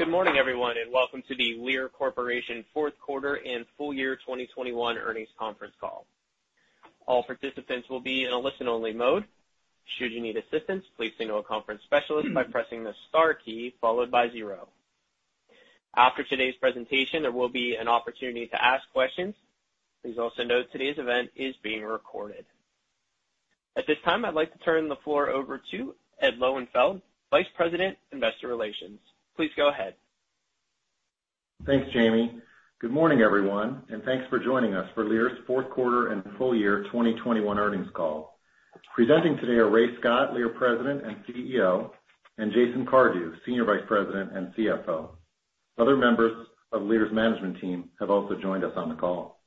Good morning, everyone, and welcome to the Lear Corporation Fourth Quarter and Full Year 2021 Earnings Conference Call. All participants will be in a listen-only mode. Should you need assistance, please signal a conference specialist by pressing the Star key followed by zero. After today's presentation, there will be an opportunity to ask questions. Please also note today's event is being recorded. At this time, I'd like to turn the floor over to Ed Lowenfeld, Vice President, Investor Relations. Please go ahead. Thanks, Jamie. Good morning, everyone, and thanks for joining us for Lear's fourth quarter and full year 2021 earnings call. Presenting today are Ray Scott, President and CEO, and Jason Cardew, Senior Vice President and CFO. Other members of Lear's management team have also joined us on the call.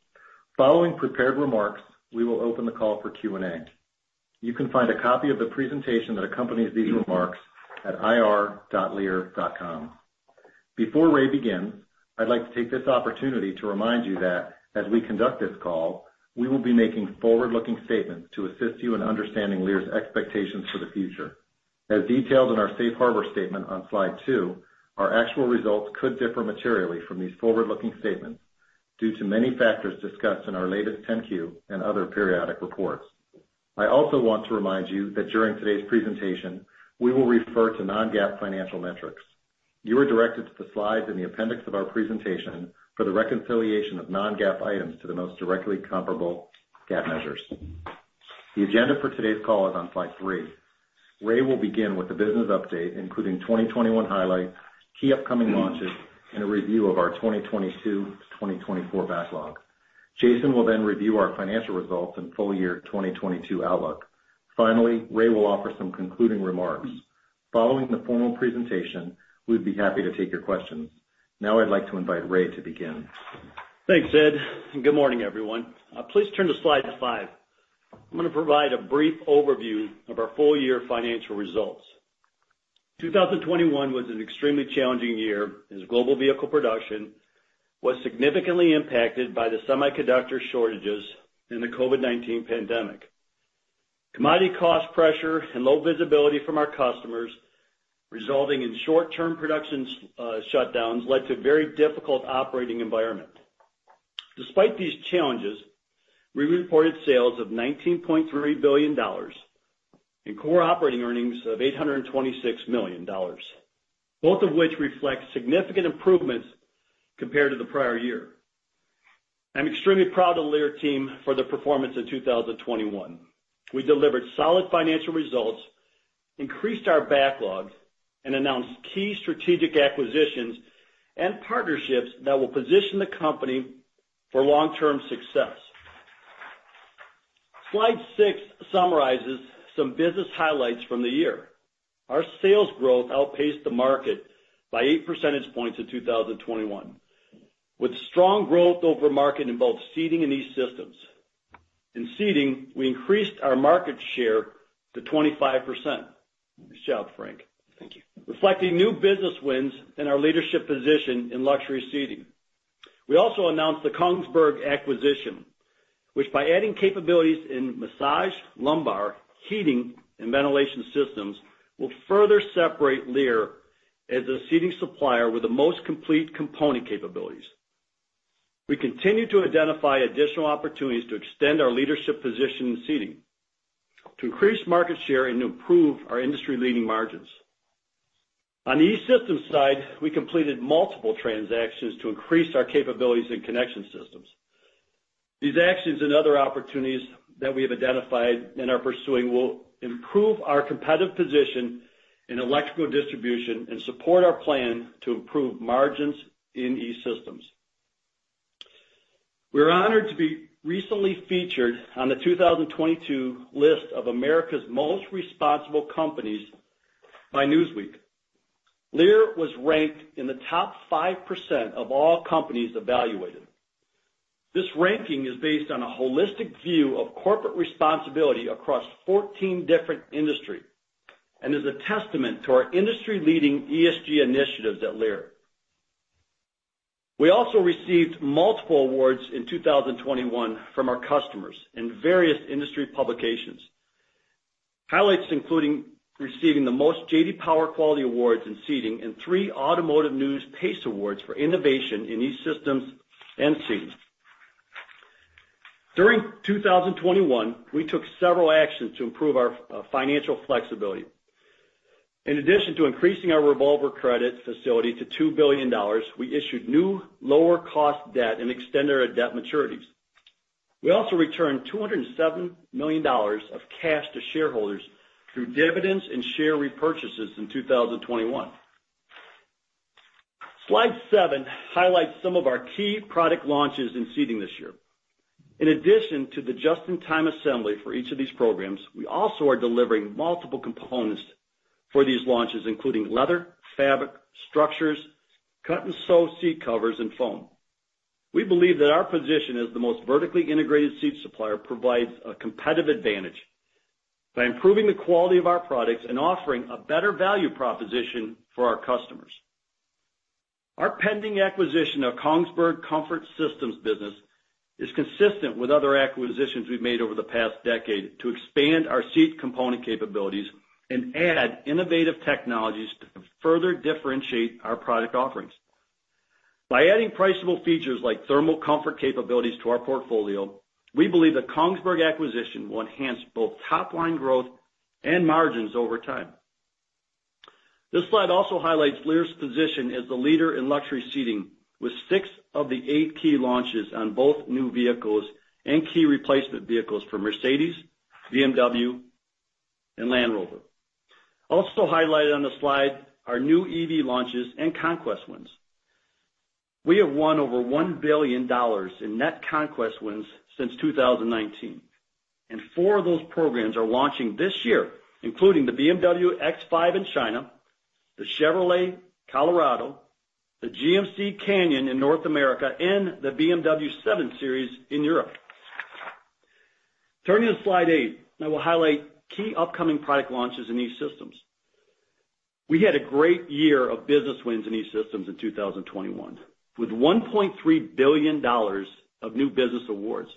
Following prepared remarks, we will open the call for Q&A. You can find a copy of the presentation that accompanies these remarks at ir.lear.com. Before Ray begins, I'd like to take this opportunity to remind you that as we conduct this call, we will be making forward-looking statements to assist you in understanding Lear's expectations for the future. As detailed in our safe harbor statement on slide two, our actual results could differ materially from these forward-looking statements due to many factors discussed in our latest 10-Q and other periodic reports. I also want to remind you that during today's presentation, we will refer to Non-GAAP financial metrics. You are directed to the slides in the appendix of our presentation for the reconciliation of Non-GAAP items to the most directly comparable GAAP measures. The agenda for today's call is on slide three. Ray will begin with the business update, including 2021 highlights, key upcoming launches, and a review of our 2022 to 2024 backlog. Jason will then review our financial results and full year 2022 outlook. Finally, Ray will offer some concluding remarks. Following the formal presentation, we'd be happy to take your questions. Now I'd like to invite Ray to begin. Thanks, Ed, and good morning, everyone. Please turn to slide 5. I'm gonna provide a brief overview of our full year financial results. 2021 was an extremely challenging year as global vehicle production was significantly impacted by the semiconductor shortages in the COVID-19 pandemic. Commodity cost pressure and low visibility from our customers resulting in short-term production shutdowns led to very difficult operating environment. Despite these challenges, we reported sales of $19.3 billion and core operating earnings of $826 million, both of which reflect significant improvements compared to the prior year. I'm extremely proud of the Lear team for their performance in 2021. We delivered solid financial results, increased our backlog, and announced key strategic acquisitions and partnerships that will position the company for long-term success. Slide 6 summarizes some business highlights from the year. Our sales growth outpaced the market by 8 percentage points in 2021, with strong growth over market in both Seating and E-Systems. In Seating, we increased our market share to 25%. Nice job, Frank. Thank you. Reflecting new business wins and our leadership position in luxury Seating. We also announced the Kongsberg acquisition, which by adding capabilities in massage, lumbar, heating, and ventilation systems, will further separate Lear as a Seating supplier with the most complete component capabilities. We continue to identify additional opportunities to extend our leadership position in Seating, to increase market share and improve our industry-leading margins. On the E-Systems side, we completed multiple transactions to increase our capabilities in connection systems. These actions and other opportunities that we have identified and are pursuing will improve our competitive position in electrical distribution and support our plan to improve margins in E-Systems. We're honored to be recently featured on the 2022 list of America's Most Responsible Companies by Newsweek. Lear was ranked in the top 5% of all companies evaluated. This ranking is based on a holistic view of corporate responsibility across 14 different industries and is a testament to our industry-leading ESG initiatives at Lear. We also received multiple awards in 2021 from our customers in various industry publications. Highlights including receiving the most J.D. Power quality awards in Seating and three Automotive News PACE Awards for innovation in E-Systems and Seating. During 2021, we took several actions to improve our financial flexibility. In addition to increasing our revolver credit facility to $2 billion, we issued new lower cost debt and extended our debt maturities. We also returned $207 million of cash to shareholders through dividends and share repurchases in 2021. Slide 7 highlights some of our key product launches in Seating this year. In addition to the just-in-time assembly for each of these programs, we also are delivering multiple components for these launches, including leather, fabric, structures, cut and sew seat covers, and foam. We believe that our position as the most vertically integrated seat supplier provides a competitive advantage by improving the quality of our products and offering a better value proposition for our customers. Our pending acquisition of Kongsberg Interior Comfort Systems business is consistent with other acquisitions we've made over the past decade to expand our seat component capabilities and add innovative technologies to further differentiate our product offerings. By adding priceable features like thermal comfort capabilities to our portfolio, we believe the Kongsberg acquisition will enhance both top-line growth and margins over time. This slide also highlights Lear's position as the leader in luxury seating, with 6 of the 8 key launches on both new vehicles and key replacement vehicles for Mercedes, BMW, and Land Rover. Also highlighted on the slide are new EV launches and conquest wins. We have won over $1 billion in net conquest wins since 2019, and 4 of those programs are launching this year, including the BMW X5 in China, the Chevrolet Colorado, the GMC Canyon in North America, and the BMW 7 Series in Europe. Turning to Slide 8, I will highlight key upcoming product launches in E-Systems. We had a great year of business wins in E-Systems in 2021, with $1.3 billion of new business awards.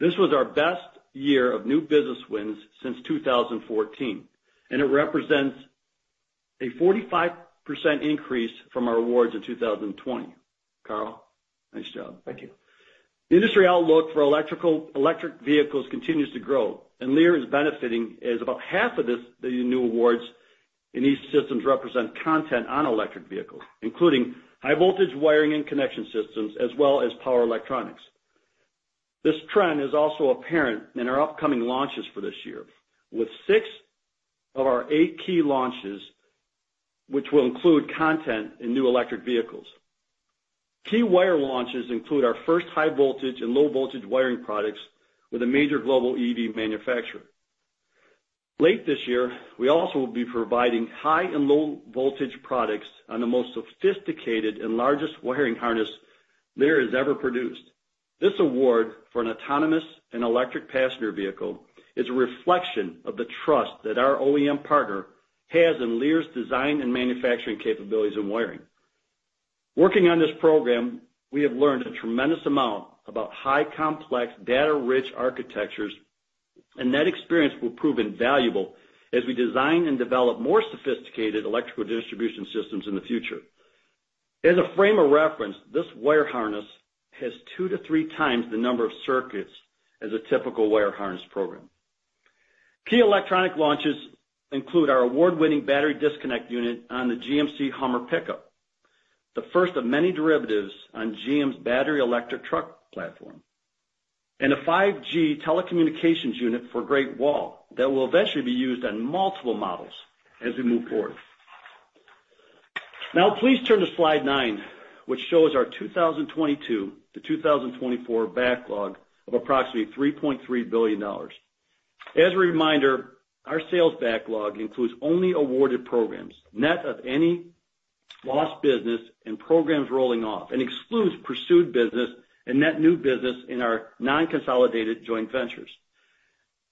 This was our best year of new business wins since 2014, and it represents a 45% increase from our awards in 2020. Carl, nice job. Thank you. The industry outlook for electric vehicles continues to grow, and Lear is benefiting, as about half of this, the new awards in E-Systems represent content on electric vehicles, including high voltage wiring and connection systems, as well as power electronics. This trend is also apparent in our upcoming launches for this year, with 6 of our 8 key launches, which will include content in new electric vehicles. Key wire launches include our first high voltage and low voltage wiring products with a major global EV manufacturer. Late this year, we also will be providing high and low voltage products on the most sophisticated and largest wiring harness Lear has ever produced. This award for an autonomous and electric passenger vehicle is a reflection of the trust that our OEM partner has in Lear's design and manufacturing capabilities in wiring. Working on this program, we have learned a tremendous amount about high, complex, data-rich architectures, and that experience will prove invaluable as we design and develop more sophisticated electrical distribution systems in the future. As a frame of reference, this wire harness has 2 times-3 times the number of circuits as a typical wire harness program. Key electronic launches include our award-winning Battery Disconnect Unit on the GMC Hummer EV pickup, the first of many derivatives on GM's battery electric truck platform, and a 5G telecommunications unit for Great Wall that will eventually be used on multiple models as we move forward. Now please turn to slide nine, which shows our 2022-2024 backlog of approximately $3.3 billion. As a reminder, our sales backlog includes only awarded programs, net of any lost business and programs rolling off, and excludes pursued business and net new business in our non-consolidated joint ventures.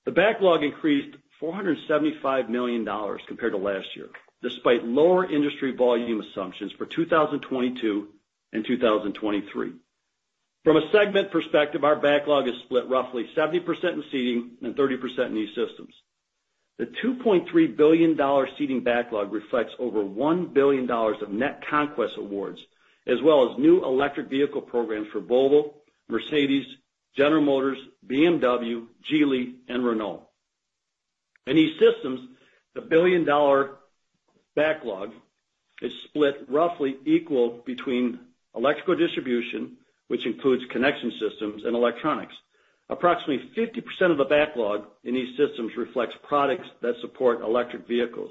The backlog increased $475 million compared to last year, despite lower industry volume assumptions for 2022 and 2023. From a segment perspective, our backlog is split roughly 70% in Seating and 30% in E-Systems. The $2.3 billion Seating backlog reflects over $1 billion of net conquest awards, as well as new electric vehicle programs for Volvo, Mercedes-Benz, General Motors, BMW, Geely, and Renault. In E-Systems, the $1 billion backlog is split roughly equal between electrical distribution, which includes connection systems and electronics. Approximately 50% of the backlog in E-Systems reflects products that support electric vehicles.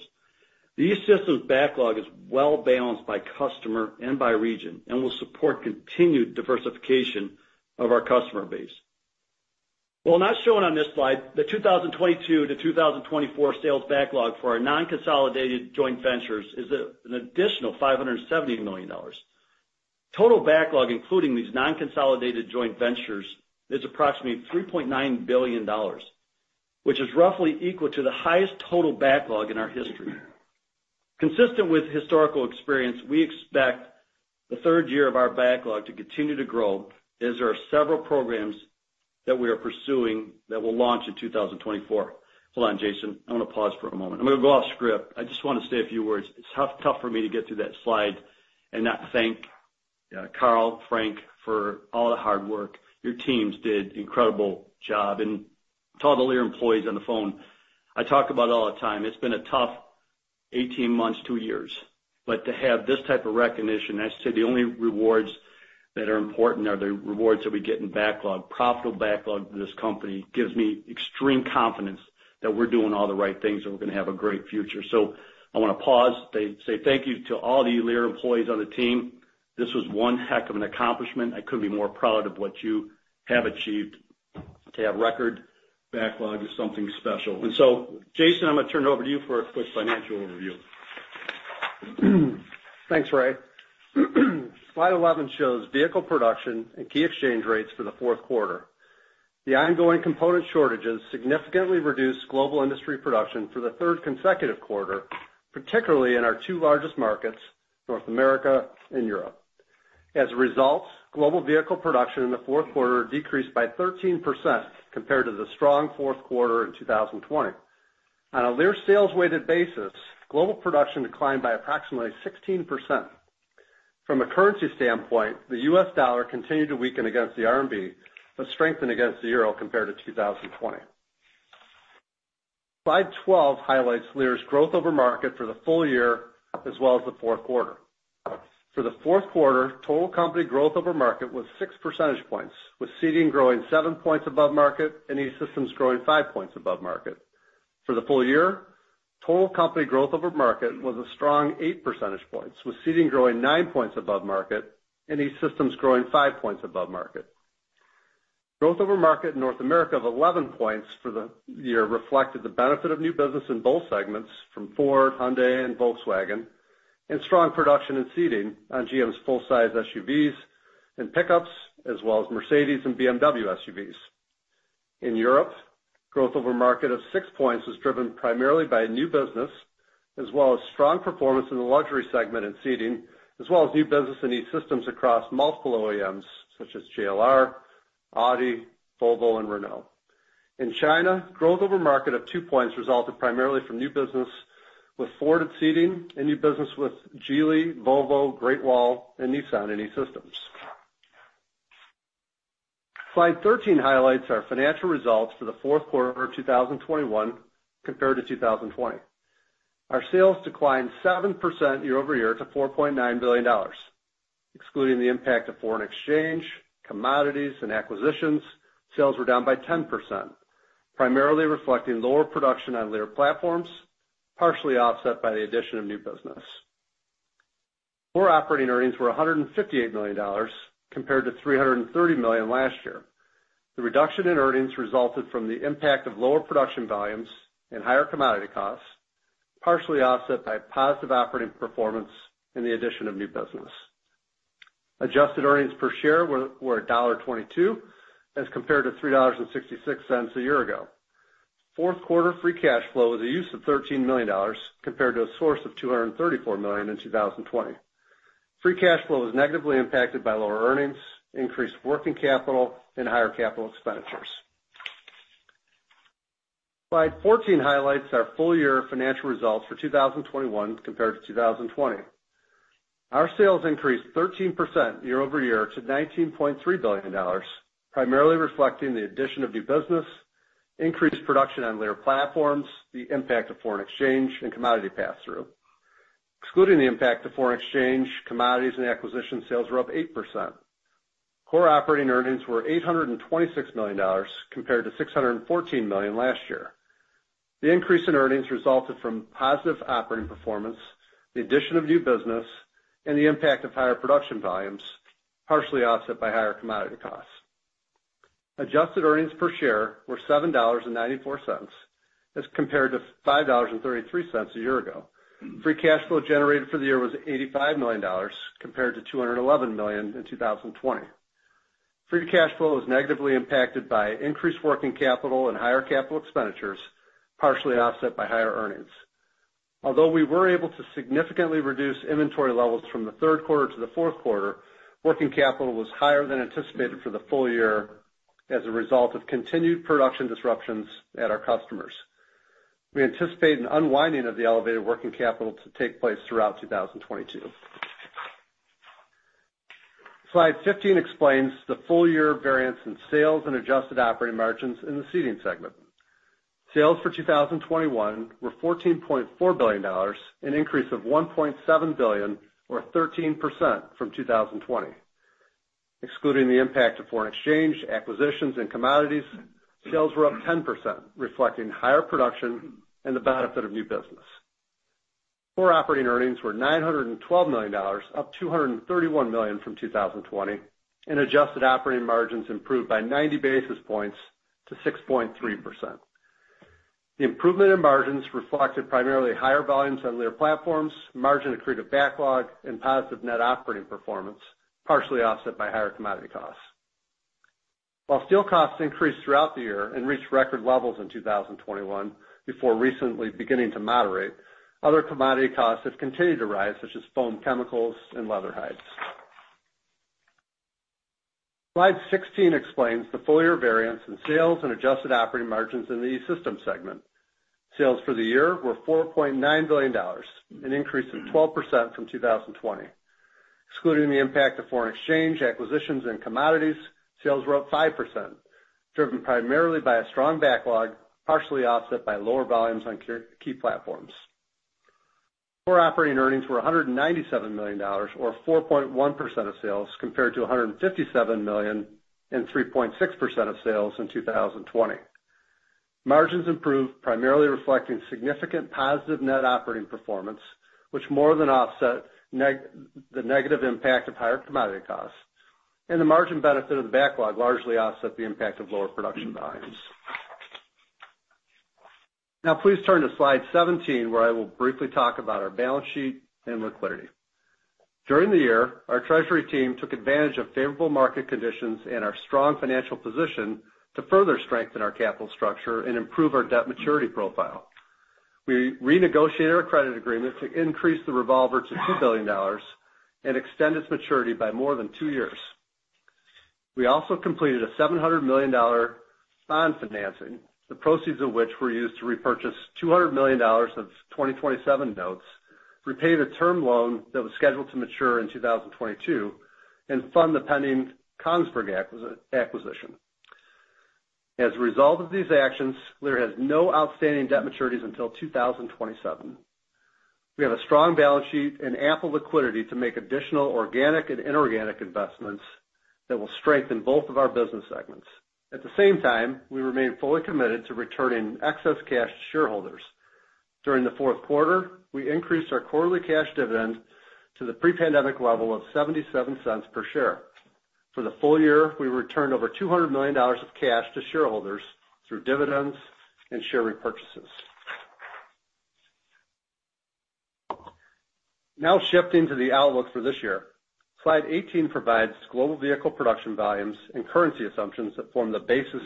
The E-Systems backlog is well-balanced by customer and by region and will support continued diversification of our customer base. While not shown on this slide, the 2022 to 2024 sales backlog for our non-consolidated joint ventures is an additional $570 million. Total backlog, including these non-consolidated joint ventures, is approximately $3.9 billion, which is roughly equal to the highest total backlog in our history. Consistent with historical experience, we expect the third year of our backlog to continue to grow, as there are several programs that we are pursuing that will launch in 2024. Hold on, Jason, I want to pause for a moment. I'm gonna go off script. I just wanna say a few words. It's tough for me to get through that slide and not thank Carl, Frank for all the hard work. Your teams did incredible job. To all the Lear employees on the phone, I talk about it all the time. It's been a tough 18 months, 2 years. To have this type of recognition, I say the only rewards that are important are the rewards that we get in backlog. Profitable backlog to this company gives me extreme confidence that we're doing all the right things, and we're gonna have a great future. I wanna pause, say thank you to all the Lear employees on the team. This was one heck of an accomplishment. I couldn't be more proud of what you have achieved. To have record backlog is something special. Jason, I'm gonna turn it over to you for a quick financial overview. Thanks, Ray. Slide 11 shows vehicle production and key exchange rates for the fourth quarter. The ongoing component shortages significantly reduced global industry production for the third consecutive quarter, particularly in our two largest markets, North America and Europe. As a result, global vehicle production in the fourth quarter decreased by 13% compared to the strong fourth quarter in 2020. On a Lear sales-weighted basis, global production declined by approximately 16%. From a currency standpoint, the US dollar continued to weaken against the RMB, but strengthened against the euro compared to 2020. Slide 12 highlights Lear's growth over market for the full year as well as the fourth quarter. For the fourth quarter, total company growth over market was 6 percentage points, with Seating growing 7 points above market and E-Systems growing 5 points above market. For the full year, total company growth over market was a strong 8 percentage points, with Seating growing 9 points above market and E-Systems growing 5 points above market. Growth over market in North America of 11 points for the year reflected the benefit of new business in both segments from Ford, Hyundai, and Volkswagen, and strong production in Seating on GM's full-size SUVs and pickups, as well as Mercedes and BMW SUVs. In Europe, growth over market of 6 points was driven primarily by new business, as well as strong performance in the luxury segment in Seating, as well as new business in E-Systems across multiple OEMs, such as JLR, Audi, Volvo, and Renault. In China, growth over market of 2 points resulted primarily from new business with Ford at Seating and new business with Geely, Volvo, Great Wall, and Nissan in E-Systems. Slide 13 highlights our financial results for the fourth quarter of 2021 compared to 2020. Our sales declined 7% year-over-year to $4.9 billion. Excluding the impact of foreign exchange, commodities, and acquisitions, sales were down by 10%, primarily reflecting lower production on Lear platforms, partially offset by the addition of new business. Core operating earnings were $158 million compared to $330 million last year. The reduction in earnings resulted from the impact of lower production volumes and higher commodity costs, partially offset by positive operating performance and the addition of new business. Adjusted earnings per share were $1.22 as compared to $3.66 a year ago. Fourth quarter free cash flow was a use of $13 million compared to a source of $234 million in 2020. Free cash flow was negatively impacted by lower earnings, increased working capital, and higher capital expenditures. Slide 14 highlights our full year financial results for 2021 compared to 2020. Our sales increased 13% year-over-year to $19.3 billion, primarily reflecting the addition of new business, increased production on Lear platforms, the impact of foreign exchange and commodity pass-through. Excluding the impact of foreign exchange, commodities and acquisition, sales were up 8%. Core operating earnings were $826 million compared to $614 million last year. The increase in earnings resulted from positive operating performance, the addition of new business, and the impact of higher production volumes, partially offset by higher commodity costs. Adjusted earnings per share were $7.94 as compared to $5.33 a year ago. Free cash flow generated for the year was $85 million compared to $211 million in 2020. Free cash flow was negatively impacted by increased working capital and higher capital expenditures, partially offset by higher earnings. Although we were able to significantly reduce inventory levels from the third quarter to the fourth quarter, working capital was higher than anticipated for the full year as a result of continued production disruptions at our customers. We anticipate an unwinding of the elevated working capital to take place throughout 2022. Slide 15 explains the full-year variance in sales and adjusted operating margins in the Seating segment. Sales for 2021 were $14.4 billion, an increase of $1.7 billion or 13% from 2020. Excluding the impact of foreign exchange, acquisitions, and commodities, sales were up 10%, reflecting higher production and the benefit of new business. Core operating earnings were $912 million, up $231 million from 2020, and adjusted operating margins improved by 90 basis points to 6.3%. The improvement in margins reflected primarily higher volumes on Lear platforms, margin accretive backlog, and positive net operating performance, partially offset by higher commodity costs. While steel costs increased throughout the year and reached record levels in 2021 before recently beginning to moderate, other commodity costs have continued to rise, such as foam chemicals and leather hides. Slide 16 explains the full year variance in sales and adjusted operating margins in the E-Systems segment. Sales for the year were $4.9 billion, an increase of 12% from 2020. Excluding the impact of foreign exchange, acquisitions, and commodities, sales were up 5%, driven primarily by a strong backlog, partially offset by lower volumes on key car platforms. Core operating earnings were $197 million or 4.1% of sales compared to $157 million and 3.6% of sales in 2020. Margins improved primarily reflecting significant positive net operating performance, which more than offset the negative impact of higher commodity costs, and the margin benefit of the backlog largely offset the impact of lower production volumes. Now please turn to slide 17, where I will briefly talk about our balance sheet and liquidity. During the year, our treasury team took advantage of favorable market conditions and our strong financial position to further strengthen our capital structure and improve our debt maturity profile. We renegotiated our credit agreement to increase the revolver to $2 billion and extend its maturity by more than 2 years. We also completed a $700 million bond financing, the proceeds of which were used to repurchase $200 million of 2027 notes, repay the term loan that was scheduled to mature in 2022, and fund the pending Kongsberg acquisition. As a result of these actions, Lear has no outstanding debt maturities until 2027. We have a strong balance sheet and ample liquidity to make additional organic and inorganic investments that will strengthen both of our business segments. At the same time, we remain fully committed to returning excess cash to shareholders. During the fourth quarter, we increased our quarterly cash dividend to the pre-pandemic level of $0.77 per share. For the full year, we returned over $200 million of cash to shareholders through dividends and share repurchases. Now shifting to the outlook for this year. Slide 18 provides global vehicle production volumes and currency assumptions that form the basis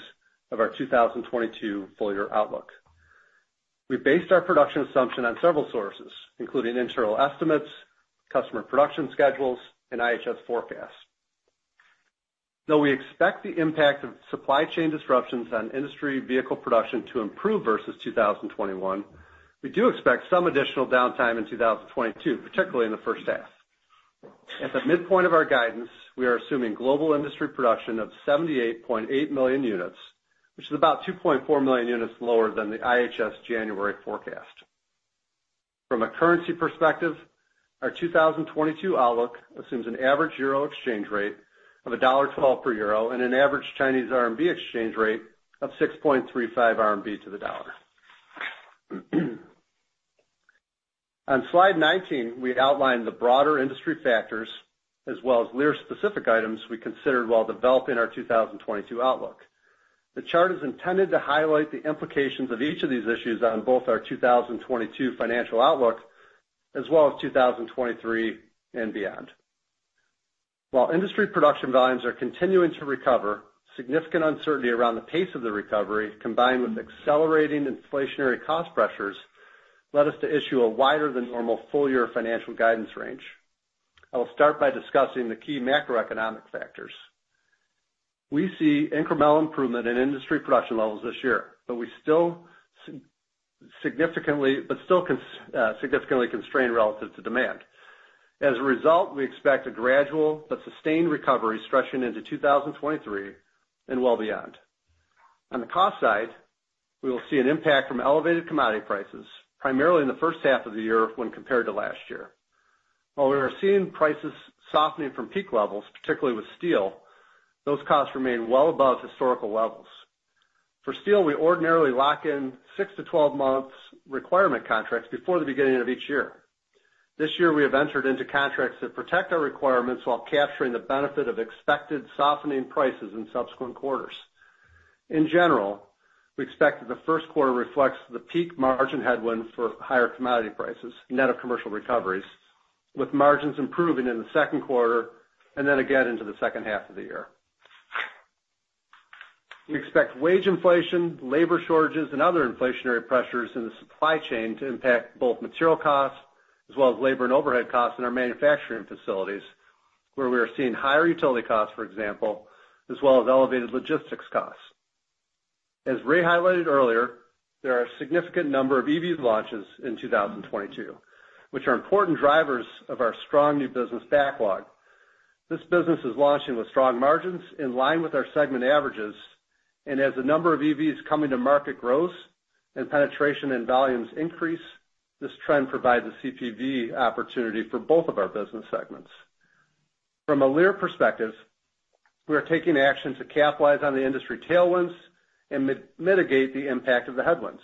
of our 2022 full year outlook. We based our production assumption on several sources, including internal estimates, customer production schedules, and IHS forecasts. Though we expect the impact of supply chain disruptions on industry vehicle production to improve versus 2021, we do expect some additional downtime in 2022, particularly in the first half. At the midpoint of our guidance, we are assuming global industry production of 78.8 million units, which is about 2.4 million units lower than the IHS January forecast. From a currency perspective, our 2022 outlook assumes an average euro exchange rate of $1.12 per euro and an average Chinese RMB exchange rate of 6.35 RMB to the dollar. On slide 19, we outlined the broader industry factors as well as Lear-specific items we considered while developing our 2022 outlook. The chart is intended to highlight the implications of each of these issues on both our 2022 financial outlook as well as 2023 and beyond. While industry production volumes are continuing to recover, significant uncertainty around the pace of the recovery, combined with accelerating inflationary cost pressures, led us to issue a wider than normal full-year financial guidance range. I will start by discussing the key macroeconomic factors. We see incremental improvement in industry production levels this year, but we still significantly constrained relative to demand. As a result, we expect a gradual but sustained recovery stretching into 2023 and well beyond. On the cost side, we will see an impact from elevated commodity prices, primarily in the first half of the year when compared to last year. While we are seeing prices softening from peak levels, particularly with steel, those costs remain well above historical levels. For steel, we ordinarily lock in 6 months-12 months requirement contracts before the beginning of each year. This year, we have entered into contracts that protect our requirements while capturing the benefit of expected softening prices in subsequent quarters. In general, we expect that the first quarter reflects the peak margin headwinds for higher commodity prices, net of commercial recoveries, with margins improving in the second quarter and then again into the second half of the year. We expect wage inflation, labor shortages, and other inflationary pressures in the supply chain to impact both material costs as well as labor and overhead costs in our manufacturing facilities, where we are seeing higher utility costs, for example, as well as elevated logistics costs. As Ray highlighted earlier, there are a significant number of EV launches in 2022, which are important drivers of our strong new business backlog. This business is launching with strong margins in line with our segment averages, and as the number of EVs coming to market grows and penetration and volumes increase, this trend provides a CPV opportunity for both of our business segments. From a Lear perspective, we are taking actions to capitalize on the industry tailwinds and mitigate the impact of the headwinds.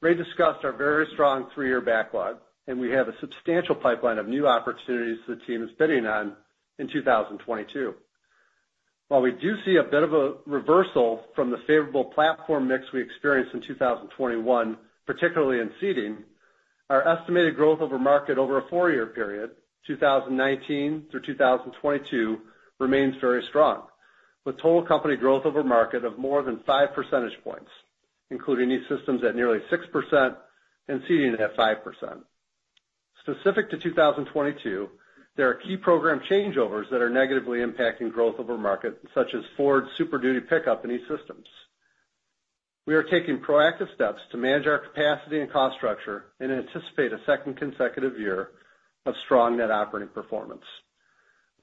Ray discussed our very strong three-year backlog, and we have a substantial pipeline of new opportunities the team is bidding on in 2022. While we do see a bit of a reversal from the favorable platform mix we experienced in 2021, particularly in Seating, our estimated growth over market over a four-year period, 2019 through 2022, remains very strong, with total company growth over market of more than 5 percentage points, including E-Systems at nearly 6% and Seating at 5%. Specific to 2022, there are key program changeovers that are negatively impacting growth over market, such as Ford Super Duty pickup in E-Systems. We are taking proactive steps to manage our capacity and cost structure and anticipate a second consecutive year of strong net operating performance.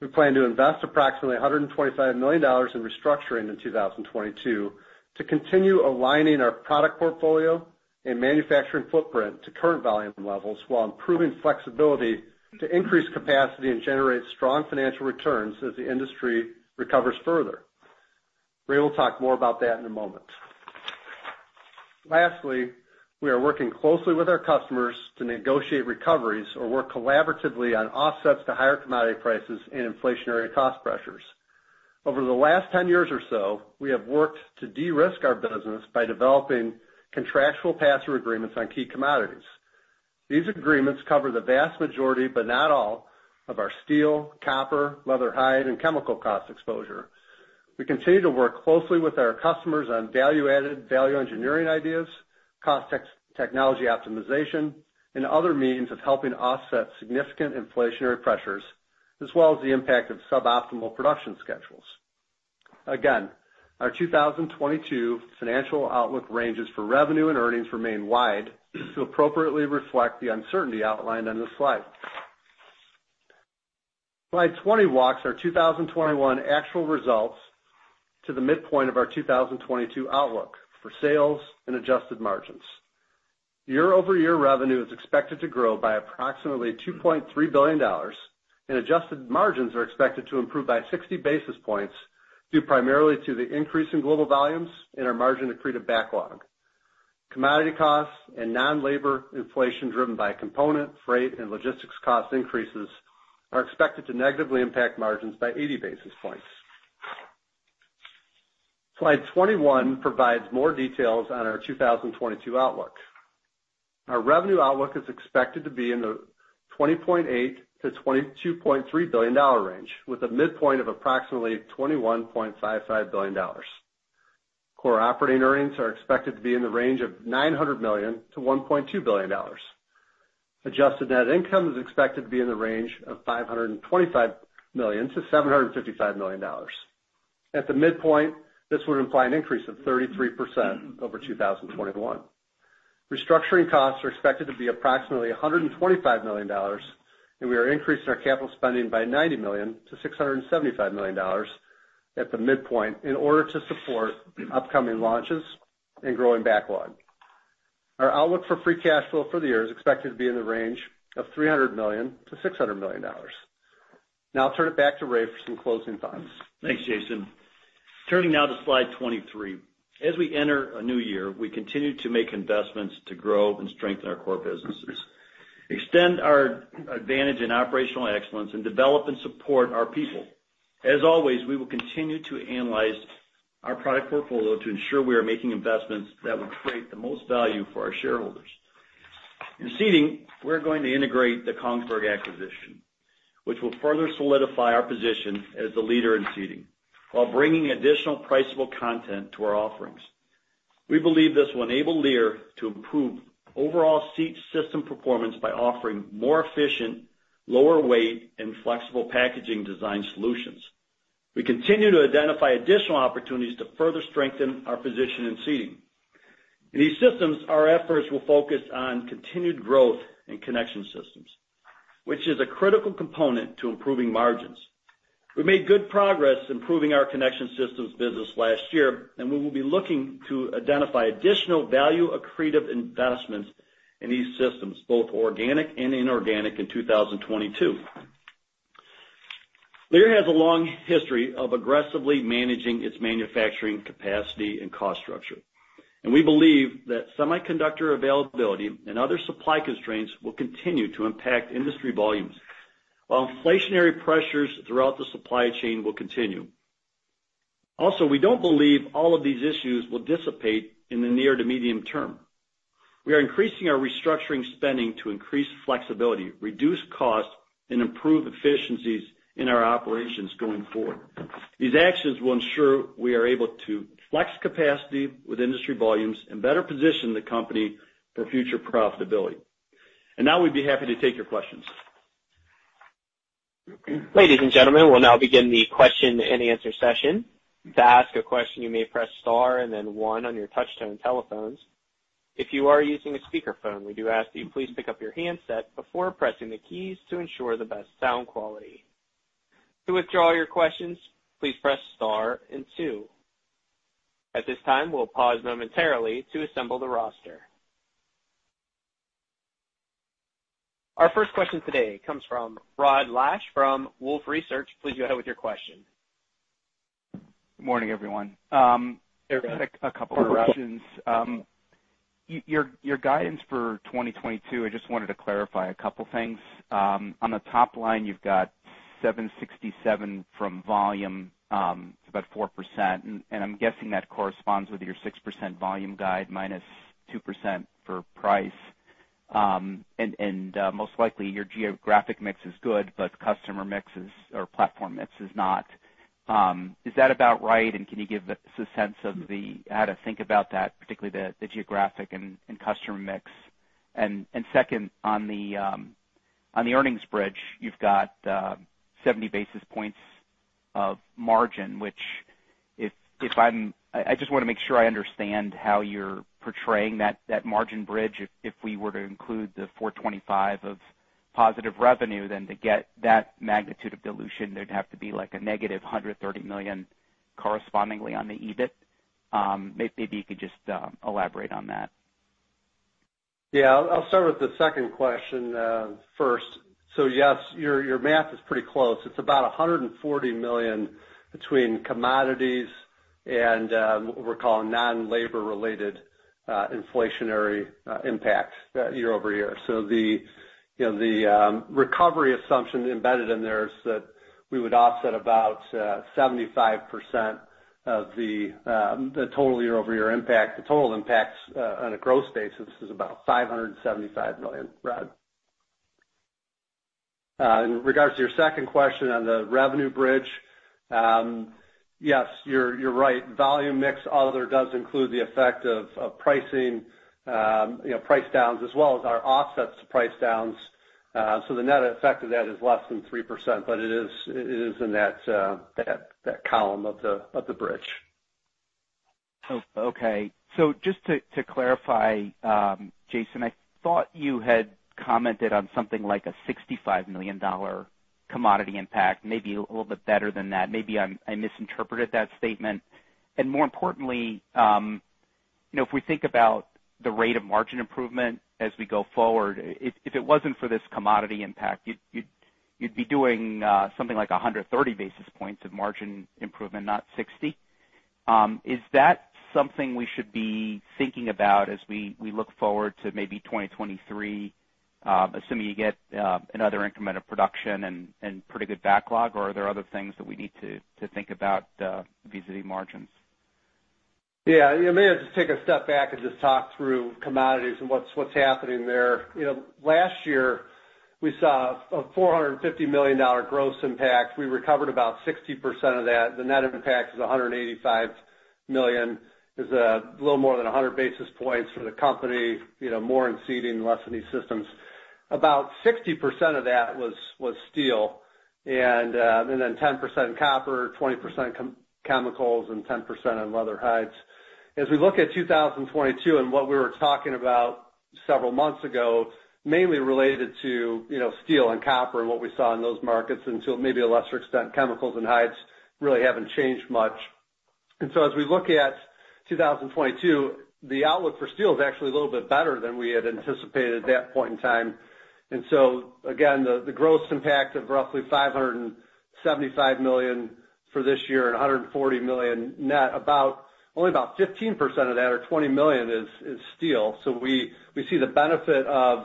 We plan to invest approximately $125 million in restructuring in 2022 to continue aligning our product portfolio and manufacturing footprint to current volume levels while improving flexibility to increase capacity and generate strong financial returns as the industry recovers further. Ray will talk more about that in a moment. Lastly, we are working closely with our customers to negotiate recoveries or work collaboratively on offsets to higher commodity prices and inflationary cost pressures. Over the last 10 years or so, we have worked to de-risk our business by developing contractual pass-through agreements on key commodities. These agreements cover the vast majority, but not all, of our steel, copper, leather hide, and chemical cost exposure. We continue to work closely with our customers on value-added value engineering ideas, cost technology optimization, and other means of helping offset significant inflationary pressures, as well as the impact of suboptimal production schedules. Our 2022 financial outlook ranges for revenue and earnings remain wide to appropriately reflect the uncertainty outlined on this slide. Slide 20 walks our 2021 actual results to the midpoint of our 2022 outlook for sales and adjusted margins. Year-over-year revenue is expected to grow by approximately $2.3 billion, and adjusted margins are expected to improve by 60 basis points, due primarily to the increase in global volumes and our margin accretive backlog. Commodity costs and non-labor inflation driven by component, freight, and logistics cost increases are expected to negatively impact margins by 80 basis points. Slide 21 provides more details on our 2022 outlook. Our revenue outlook is expected to be in the $20.8 billion-$22.3 billion range, with a midpoint of approximately $21.55 billion. Core operating earnings are expected to be in the range of $900 million-$1.2 billion. Adjusted net income is expected to be in the range of $525 million-$755 million. At the midpoint, this would imply an increase of 33% over 2021. Restructuring costs are expected to be approximately $125 million, and we are increasing our capital spending by $90 million to $675 million at the midpoint in order to support upcoming launches and growing backlog. Our outlook for free cash flow for the year is expected to be in the range of $300 million-$600 million. Now I'll turn it back to Ray for some closing thoughts. Thanks, Jason. Turning now to slide 23. As we enter a new year, we continue to make investments to grow and strengthen our core businesses, extend our advantage in operational excellence, and develop and support our people. As always, we will continue to analyze our product portfolio to ensure we are making investments that will create the most value for our shareholders. In Seating, we're going to integrate the Kongsberg acquisition, which will further solidify our position as the leader in seating while bringing additional priceable content to our offerings. We believe this will enable Lear to improve overall seat system performance by offering more efficient, lower weight, and flexible packaging design solutions. We continue to identify additional opportunities to further strengthen our position in Seating. In E-Systems, our efforts will focus on continued growth in connection systems, which is a critical component to improving margins. We made good progress improving our connection systems business last year, and we will be looking to identify additional value accretive investments in these systems, both organic and inorganic, in 2022. Lear has a long history of aggressively managing its manufacturing capacity and cost structure, and we believe that semiconductor availability and other supply constraints will continue to impact industry volumes, while inflationary pressures throughout the supply chain will continue. Also, we don't believe all of these issues will dissipate in the near to medium term. We are increasing our restructuring spending to increase flexibility, reduce costs, and improve efficiencies in our operations going forward. These actions will ensure we are able to flex capacity with industry volumes and better position the company for future profitability. Now we'd be happy to take your questions. Ladies and gentlemen, we'll now begin the question-and-answer session. To ask a question, you may press star and then one on your touch-tone telephones. If you are using a speakerphone, we do ask that you please pick up your handset before pressing the keys to ensure the best sound quality. To withdraw your questions, please press star and two. At this time, we'll pause momentarily to assemble the roster. Our first question today comes from Rod Lache from Wolfe Research. Please go ahead with your question. Good morning, everyone. Hey, Rod. A couple of questions. Your guidance for 2022, I just wanted to clarify a couple things. On the top line, you've got $767 from volume, it's about 4%. I'm guessing that corresponds with your 6% volume guide minus 2% for price. Most likely, your geographic mix is good, but customer mix is, or platform mix is not. Is that about right? Can you give us a sense of how to think about that, particularly the geographic and customer mix? Second, on the earnings bridge, you've got 70 basis points of margin, which if I'm I just wanna make sure I understand how you're portraying that margin bridge. If we were to include the $425 million of positive revenue, then to get that magnitude of dilution, there'd have to be, like, a -$130 million correspondingly on the EBIT. Maybe you could just elaborate on that. Yeah. I'll start with the second question, first. Yes, your math is pretty close. It's about $140 million between commodities. What we're calling non-labor-related inflationary impacts year-over-year. The recovery assumption embedded in there is that we would offset about 75% of the total year-over-year impact. The total impacts on a growth basis is about $575 million, Rod. In regards to your second question on the revenue bridge, yes, you're right. Volume mix other does include the effect of pricing, you know, price downs as well as our offsets to price downs. The net effect of that is less than 3%, but it is in that column of the bridge. Okay. Just to clarify, Jason, I thought you had commented on something like a $65 million commodity impact, maybe a little bit better than that. Maybe I misinterpreted that statement. More importantly, you know, if we think about the rate of margin improvement as we go forward, if it wasn't for this commodity impact, you'd be doing something like 130 basis points of margin improvement, not 60. Is that something we should be thinking about as we look forward to maybe 2023, assuming you get another increment of production and pretty good backlog? Are there other things that we need to think about vis-a-vis margins? Yeah. You may have to take a step back and just talk through commodities and what's happening there. You know, last year, we saw a $450 million gross impact. We recovered about 60% of that. The net impact is $185 million. It's a little more than 100 basis points for the company, you know, more in Seating, less in E-Systems. About 60% of that was steel and then 10% copper, 20% chemicals, and 10% on leather hides. As we look at 2022 and what we were talking about several months ago, mainly related to, you know, steel and copper and what we saw in those markets, and to maybe a lesser extent, chemicals and hides really haven't changed much. As we look at 2022, the outlook for steel is actually a little bit better than we had anticipated at that point in time. Again, the gross impact of roughly $575 million for this year and $140 million net, about only about 15% of that or $20 million is steel. We see the benefit of,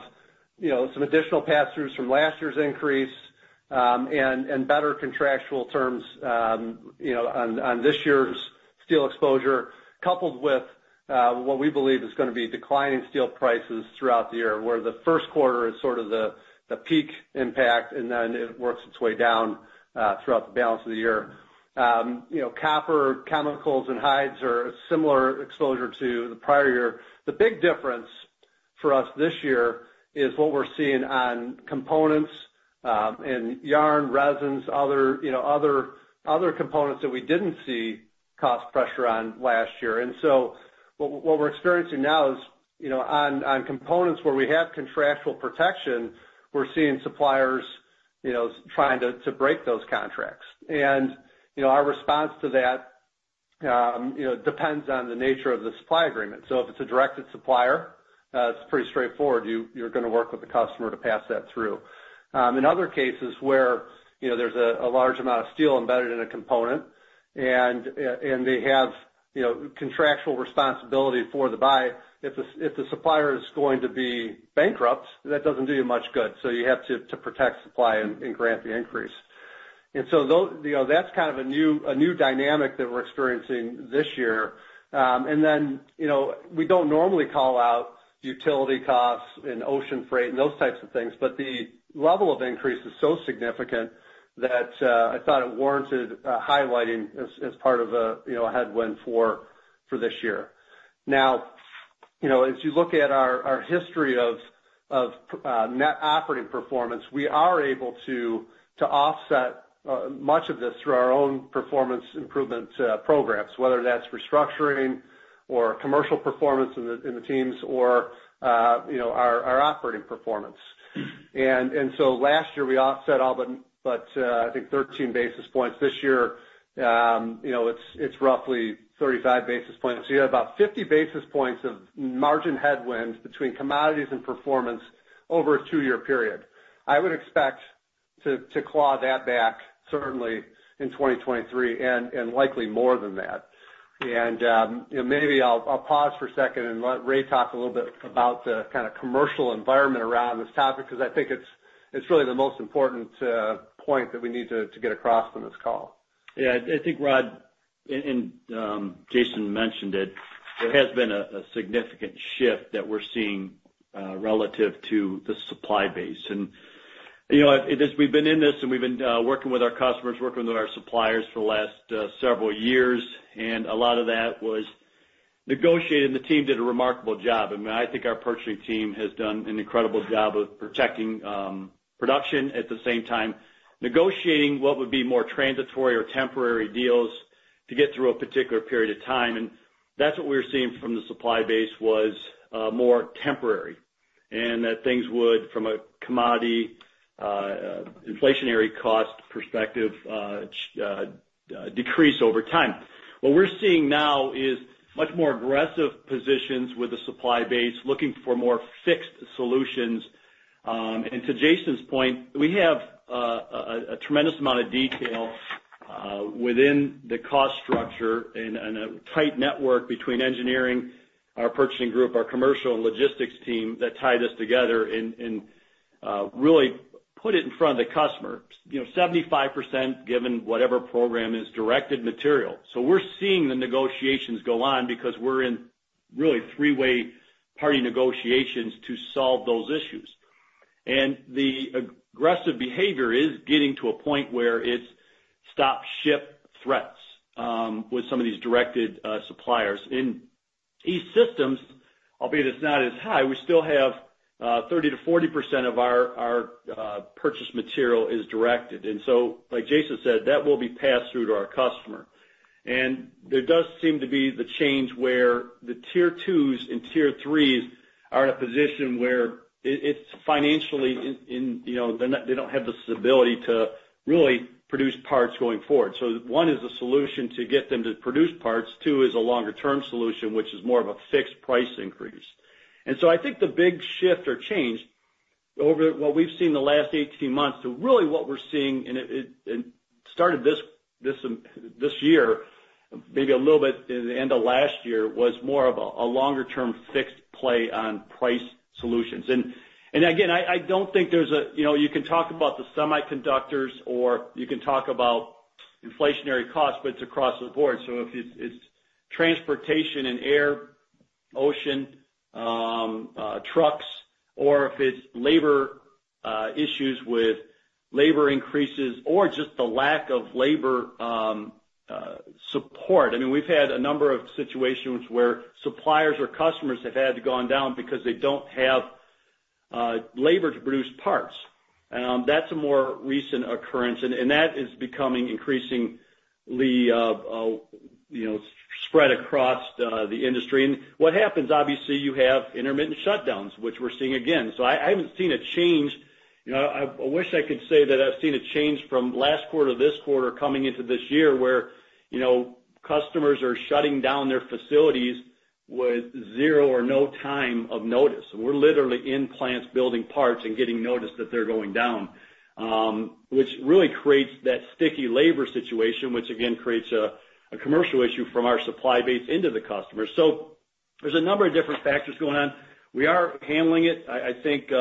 you know, some additional pass-throughs from last year's increase, and better contractual terms, you know, on this year's steel exposure, coupled with what we believe is gonna be declining steel prices throughout the year, where the first quarter is sort of the peak impact, and then it works its way down throughout the balance of the year. You know, copper, chemicals, and hides are a similar exposure to the prior year. The big difference for us this year is what we're seeing on components and yarn, resins, other, you know, other components that we didn't see cost pressure on last year. What we're experiencing now is, you know, on components where we have contractual protection, we're seeing suppliers, you know, trying to break those contracts. You know, our response to that, you know, depends on the nature of the supply agreement. If it's a directed supplier, it's pretty straightforward. You're gonna work with the customer to pass that through. In other cases where, you know, there's a large amount of steel embedded in a component and they have, you know, contractual responsibility for the buy, if the supplier is going to be bankrupt, that doesn't do you much good. You have to protect supply and grant the increase. You know, that's kind of a new dynamic that we're experiencing this year. We don't normally call out utility costs and ocean freight and those types of things, but the level of increase is so significant that I thought it warranted highlighting as part of a, you know, headwind for this year. Now, you know, as you look at our history of net operating performance, we are able to offset much of this through our own performance improvement programs, whether that's restructuring or commercial performance in the teams or you know, our operating performance. Last year, we offset all but I think 13 basis points. This year, you know, it's roughly 35 basis points. You have about 50 basis points of margin headwinds between commodities and performance over a two-year period. I would expect to claw that back certainly in 2023, and likely more than that. You know, maybe I'll pause for a second and let Ray talk a little bit about the kinda commercial environment around this topic, 'cause I think it's really the most important point that we need to get across on this call. Yeah. I think Rod, Jason mentioned it, there has been a significant shift that we're seeing relative to the supply base. You know, as we've been in this and we've been working with our customers, working with our suppliers for the last several years, and a lot of that was negotiated, and the team did a remarkable job. I mean, I think our purchasing team has done an incredible job of protecting production at the same time, negotiating what would be more transitory or temporary deals to get through a particular period of time. That's what we were seeing from the supply base was more temporary, and that things would from a commodity inflationary cost perspective decrease over time. What we're seeing now is much more aggressive positions with the supply base looking for more fixed solutions, and to Jason's point, we have a tremendous amount of detail within the cost structure and a tight network between engineering, our purchasing group, our commercial and logistics team that tie this together and really put it in front of the customer. You know, 75%, given whatever program, is directed material. So we're seeing the negotiations go on because we're in really three-way party negotiations to solve those issues. The aggressive behavior is getting to a point where it's stop ship threats with some of these directed suppliers. In E-Systems, albeit it's not as high, we still have 30%-40% of our purchase material is directed. Like Jason said, that will be passed through to our customer. There does seem to be the change where the tier twos and tier threes are in a position where it's financially, you know, they don't have the stability to really produce parts going forward. One is a solution to get them to produce parts. Two is a longer-term solution, which is more of a fixed price increase. I think the big shift or change over what we've seen in the last 18 months to really what we're seeing, and it started this year, maybe a little bit in the end of last year, was more of a longer-term fixed play on price solutions. Again, I don't think there's a You know, you can talk about the semiconductors or you can talk about inflationary costs, but it's across the board. If it's transportation and air, ocean, trucks, or if it's labor issues with labor increases or just the lack of labor support. I mean, we've had a number of situations where suppliers or customers have had to gone down because they don't have labor to produce parts. That's a more recent occurrence, and that is becoming increasingly you know, spread across the industry. What happens, obviously, you have intermittent shutdowns, which we're seeing again. I haven't seen a change. You know, I wish I could say that I've seen a change from last quarter, this quarter coming into this year, where, you know, customers are shutting down their facilities with zero or no time of notice. We're literally in plants building parts and getting notice that they're going down, which really creates that sticky labor situation, which again creates a commercial issue from our supply base into the customer. There's a number of different factors going on. We are handling it, I think,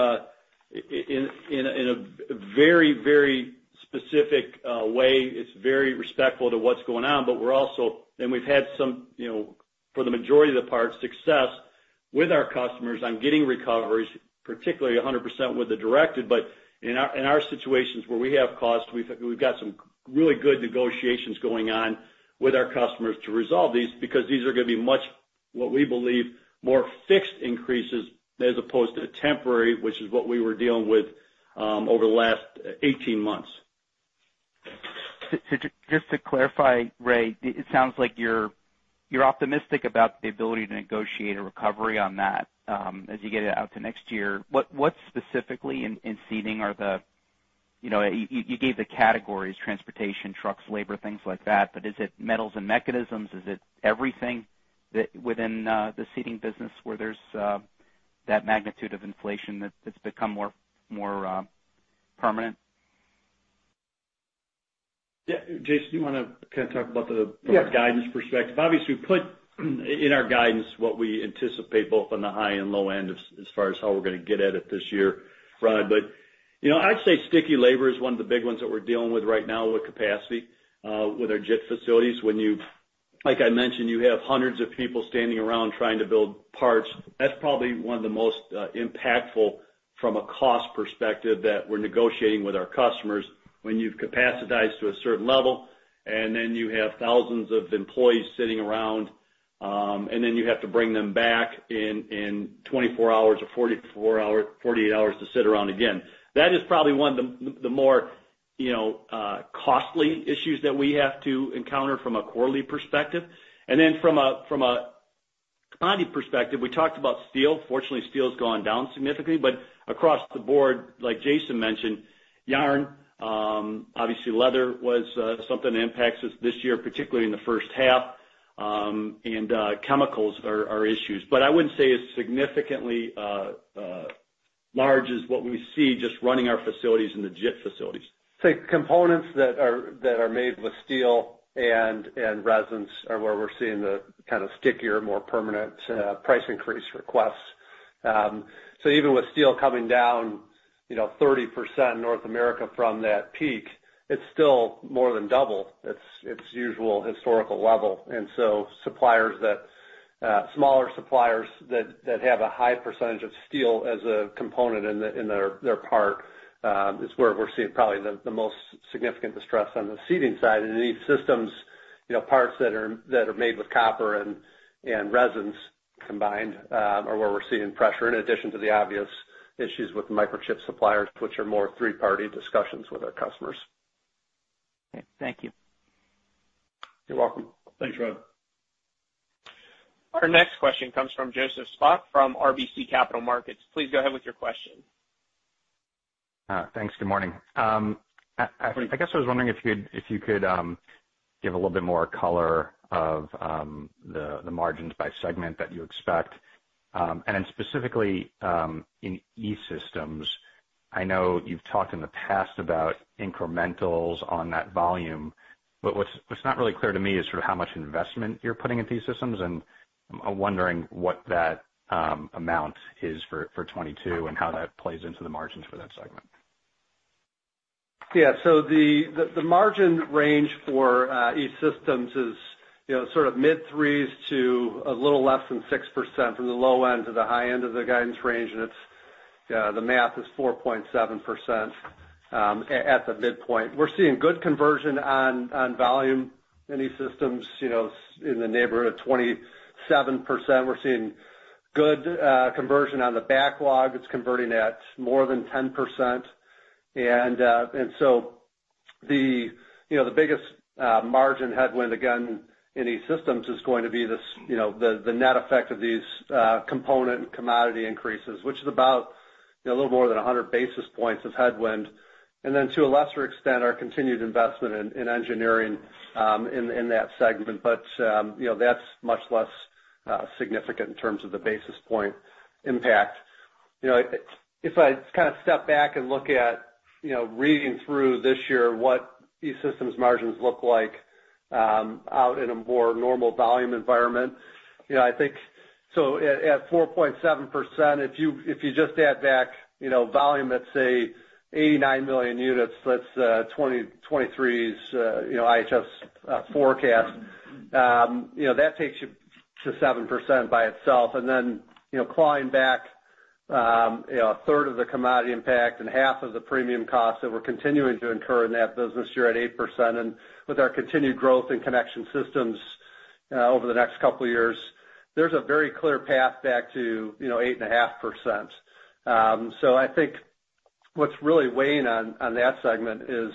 in a very specific way. It's very respectful to what's going on. But we're also. We've had some, you know, for the majority of the parts, success with our customers on getting recoveries, particularly 100% with the directed. In our situations where we have costs, we've got some really good negotiations going on with our customers to resolve these because these are gonna be much, what we believe, more fixed increases as opposed to temporary, which is what we were dealing with over the last 18 months. Just to clarify, Ray, it sounds like you're optimistic about the ability to negotiate a recovery on that, as you get it out to next year. What specifically in Seating are the categories? You know, you gave transportation, trucks, labor, things like that, but is it metals and mechanisms? Is it everything within the Seating business where there's that magnitude of inflation that's become more permanent? Yeah. Jason, do you wanna kind of talk about the- Yes. From a guidance perspective? Obviously, we put in our guidance what we anticipate both on the high and low end as far as how we're gonna get at it this year, Rod. You know, I'd say sticky labor is one of the big ones that we're dealing with right now with capacity with our JIT facilities. When you've like I mentioned, you have hundreds of people standing around trying to build parts. That's probably one of the most impactful from a cost perspective that we're negotiating with our customers when you've capacitized to a certain level, and then you have thousands of employees sitting around, and then you have to bring them back in in 24 hours or 48 hours to sit around again. That is probably one of the more, you know, costly issues that we have to encounter from a quarterly perspective. From a commodity perspective, we talked about steel. Fortunately, steel's gone down significantly, but across the board, like Jason mentioned, yarn, obviously leather was something that impacts us this year, particularly in the first half, and chemicals are issues. I wouldn't say it's significantly large as what we see just running our facilities in the JIT facilities. I'd say components that are made with steel and resins are where we're seeing the kind of stickier, more permanent price increase requests. Even with steel coming down, you know, 30% North America from that peak, it's still more than double its usual historical level. Smaller suppliers that have a high percentage of steel as a component in their part are where we're seeing probably the most significant distress on the Seating side. E-Systems, you know, parts that are made with copper and resins combined are where we're seeing pressure in addition to the obvious issues with microchip suppliers, which are more three-party discussions with our customers. Okay. Thank you. You're welcome. Thanks, Rod. Our next question comes from Joseph Spak from RBC Capital Markets. Please go ahead with your question. Thanks. Good morning. I guess I was wondering if you could give a little bit more color of the margins by segment that you expect. And then specifically in E-Systems, I know you've talked in the past about incrementals on that volume, but what's not really clear to me is sort of how much investment you're putting into E-Systems, and I'm wondering what that amount is for 2022 and how that plays into the margins for that segment. Yeah. The margin range for E-Systems is, you know, sort of mid-3s to a little less than 6% from the low end to the high end of the guidance range. It's the math is 4.7% at the midpoint. We're seeing good conversion on volume in E-Systems, you know, in the neighborhood of 27%. We're seeing good conversion on the backlog. It's converting at more than 10%. The biggest margin headwind again in E-Systems is going to be this, you know, the net effect of these component commodity increases, which is about, you know, a little more than 100 basis points of headwind. To a lesser extent, our continued investment in engineering in that segment. You know, that's much less significant in terms of the basis point impact. You know, if I kind of step back and look at, you know, reading through this year what E-Systems margins look like, out in a more normal volume environment, you know, I think so at 4.7%, if you, if you just add back, you know, volume at, say, 89 million units, that's 2023's, you know, IHS forecast, you know, that takes you to 7% by itself. You know, clawing back, you know, a third of the commodity impact and half of the premium costs that we're continuing to incur in that business, you're at 8%. With our continued growth in Connection Systems, over the next couple of years, there's a very clear path back to, you know, 8.5%. So I think what's really weighing on that segment is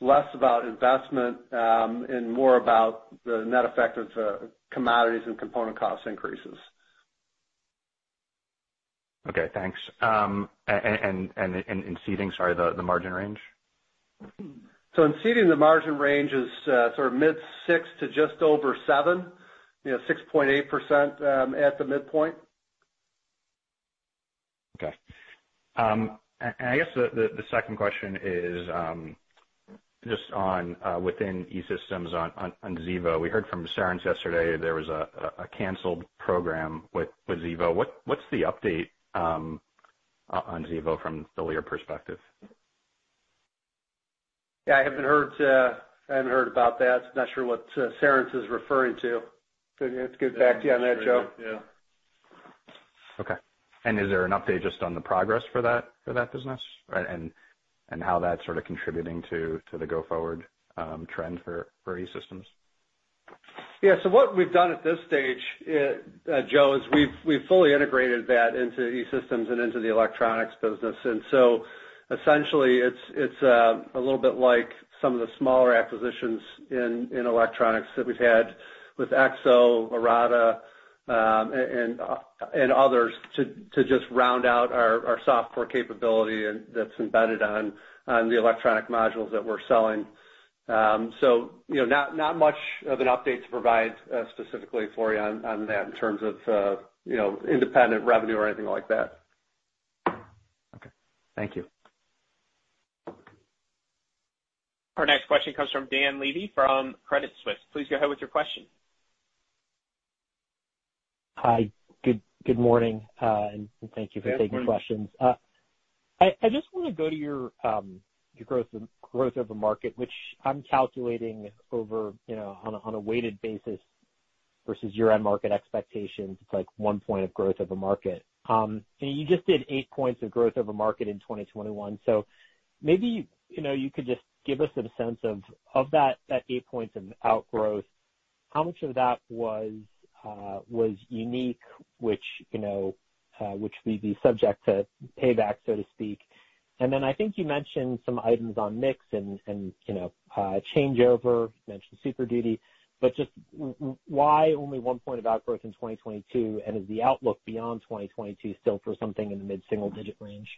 less about investment, and more about the net effect of the commodities and component cost increases. Okay. Thanks. In seating, sorry, the margin range? In Seating, the margin range is sort of mid-6% to just over 7%, you know, 6.8% at the midpoint. Okay. I guess the second question is just on within E-Systems on Xevo. We heard from Cerence yesterday there was a canceled program with Xevo. What's the update on Xevo from the Lear perspective? Yeah, I haven't heard about that. Not sure what Cerence is referring to. Let's get back to you on that, Joe. Yeah. Okay. Is there an update just on the progress for that business? How that's sort of contributing to the go forward trend for E-Systems? Yeah. What we've done at this stage, Joe, is we've fully integrated that into E-Systems and into the electronics business. Essentially it's a little bit like some of the smaller acquisitions in electronics that we've had with Xevo, Arada, and others to just round out our software capability and that's embedded on the electronic modules that we're selling. You know, not much of an update to provide specifically for you on that in terms of independent revenue or anything like that. Okay. Thank you. Our next question comes from Dan Levy from Credit Suisse. Please go ahead with your question. Hi. Good morning, and thank you for taking questions. Good morning. I just want to go to your growth of the market, which I'm calculating over, you know, on a weighted basis versus year-end market expectations. It's like 1% growth of the market. You just did 8% growth of the market in 2021. Maybe you could just give us a sense of that 8% outgrowth. How much of that was unique, which would be subject to payback, so to speak? I think you mentioned some items on mix and changeover, mentioned Super Duty, but why only 1% outgrowth in 2022, and is the outlook beyond 2022 still for something in the mid-single-digit range?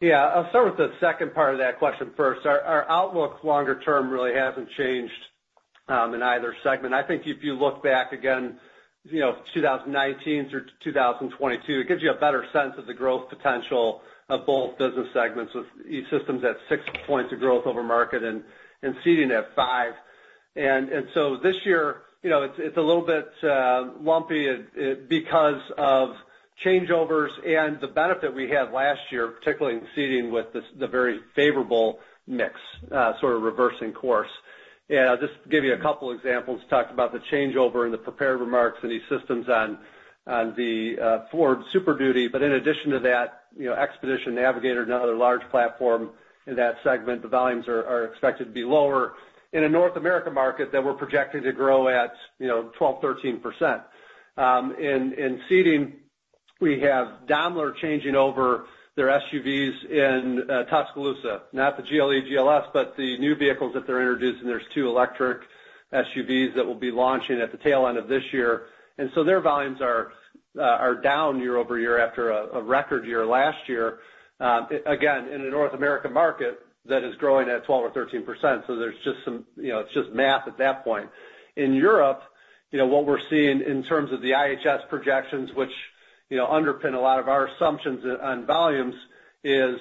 Yeah. I'll start with the second part of that question first. Our outlook longer term really hasn't changed in either segment. I think if you look back again, you know, 2019 through 2022, it gives you a better sense of the growth potential of both business segments with E-Systems at 6 points of growth over market and seating at 5. So this year, you know, it's a little bit lumpy because of changeovers and the benefit we had last year, particularly in seating with the very favorable mix sort of reversing course. I'll just give you a couple examples. Talked about the changeover in the prepared remarks in E-Systems on the Ford Super Duty. In addition to that, you know, Expedition and Navigator, another large platform in that segment, the volumes are expected to be lower in a North American market that we're projecting to grow at 12%-13%. In seating, we have Daimler changing over their SUVs in Tuscaloosa, not the GLE, GLS, but the new vehicles that they're introducing. There are three electric SUVs that will be launching at the tail end of this year. Their volumes are down year-over-year after a record year last year, again, in a North American market that is growing at 12% or 13%. There's just some, you know, it's just math at that point. In Europe, what we're seeing in terms of the IHS projections, which underpin a lot of our assumptions on volumes is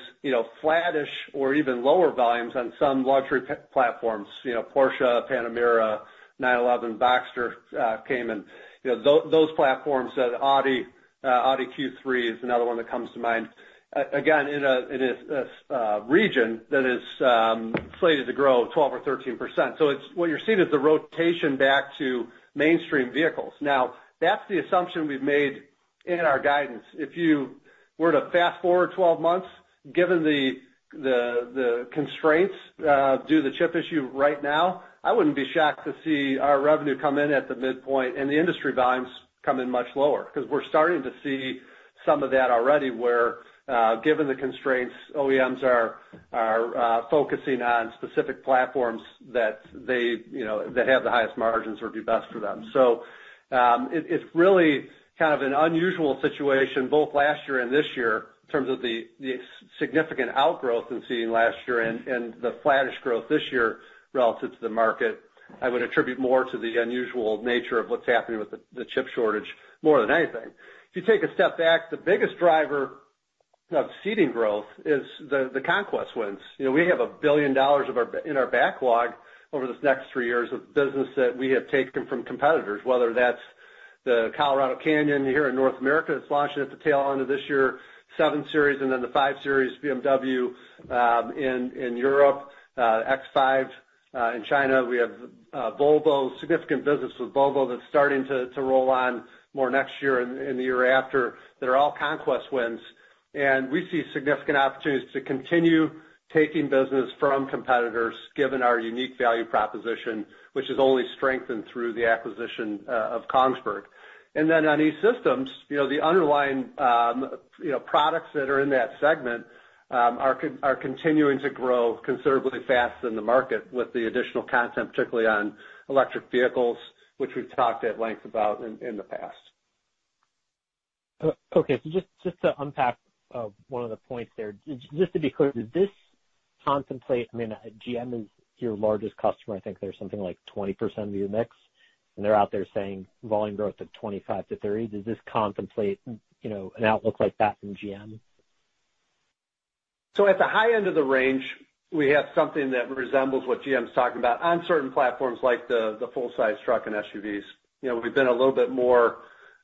flattish or even lower volumes on some luxury platforms, Porsche, Panamera, 911, Boxster, Cayman. Those platforms, the Audi Q3 is another one that comes to mind, again, in a region that is slated to grow 12% or 13%. What you're seeing is the rotation back to mainstream vehicles. Now, that's the assumption we've made in our guidance. If you were to fast forward 12 months, given the constraints due to the chip issue right now, I wouldn't be shocked to see our revenue come in at the midpoint and the industry volumes come in much lower. Because we're starting to see some of that already where, given the constraints, OEMs are focusing on specific platforms that they, you know, that have the highest margins or do best for them. It's really kind of an unusual situation, both last year and this year, in terms of the significant outgrowth we've seen last year and the flattish growth this year relative to the market. I would attribute more to the unusual nature of what's happening with the chip shortage more than anything. If you take a step back, the biggest driver of Seating growth is the conquest wins. You know, we have $1 billion in our backlog over the next three years of business that we have taken from competitors, whether that's the Colorado and Canyon here in North America that's launching at the tail end of this year, 7 Series and then the 5 Series BMW in Europe, X5 in China. We have Volvo, significant business with Volvo that's starting to roll on more next year and the year after, that are all conquest wins. We see significant opportunities to continue taking business from competitors, given our unique value proposition, which has only strengthened through the acquisition of Kongsberg. On E-Systems, you know, the underlying, you know, products that are in that segment are continuing to grow considerably faster than the market with the additional content, particularly on electric vehicles, which we've talked at length about in the past. Okay. Just to unpack one of the points there, just to be clear, does this contemplate? I mean, GM is your largest customer. I think they're something like 20% of your mix, and they're out there saying volume growth of 25%-30%. Does this contemplate, you know, an outlook like that from GM? At the high end of the range, we have something that resembles what GM's talking about on certain platforms like the full-size truck and SUVs. You know, we've been a little bit more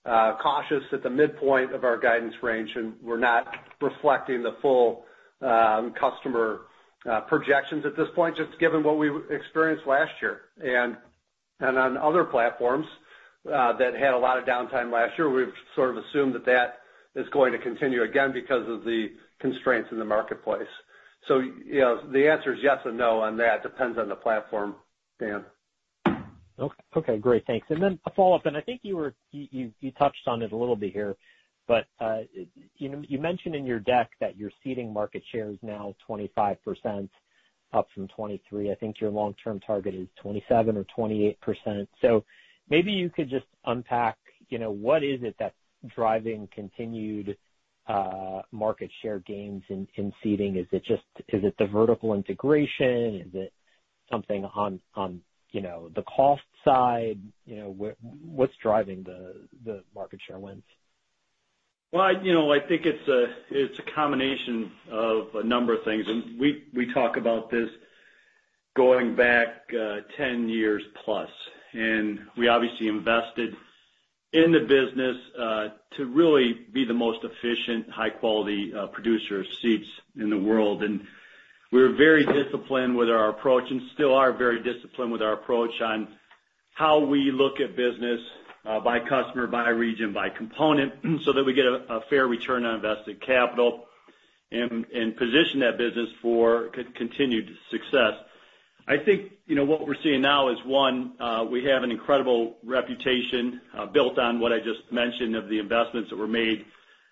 cautious at the midpoint of our guidance range, and we're not reflecting the full customer projections at this point, just given what we experienced last year. On other platforms that had a lot of downtime last year, we've sort of assumed that that is going to continue again because of the constraints in the marketplace. You know, the answer is yes and no, and that depends on the platform, Dan. Okay, great. Thanks. A follow-up, I think you touched on it a little bit here, but you know, you mentioned in your deck that your Seating market share is now 25%, up from 23%. I think your long-term target is 27% or 28%. Maybe you could just unpack, you know, what is it that's driving continued market share gains in Seating? Is it just the vertical integration? Is it something on, you know, the cost side? You know, what's driving the market share wins? Well, you know, I think it's a combination of a number of things. We talk about this going back 10 years+. We obviously invested in the business to really be the most efficient, high-quality producer of seats in the world. We're very disciplined with our approach and still are very disciplined with our approach on how we look at business by customer, by region, by component, so that we get a fair return on invested capital and position that business for continued success. I think, you know, what we're seeing now is, one, we have an incredible reputation built on what I just mentioned, of the investments that were made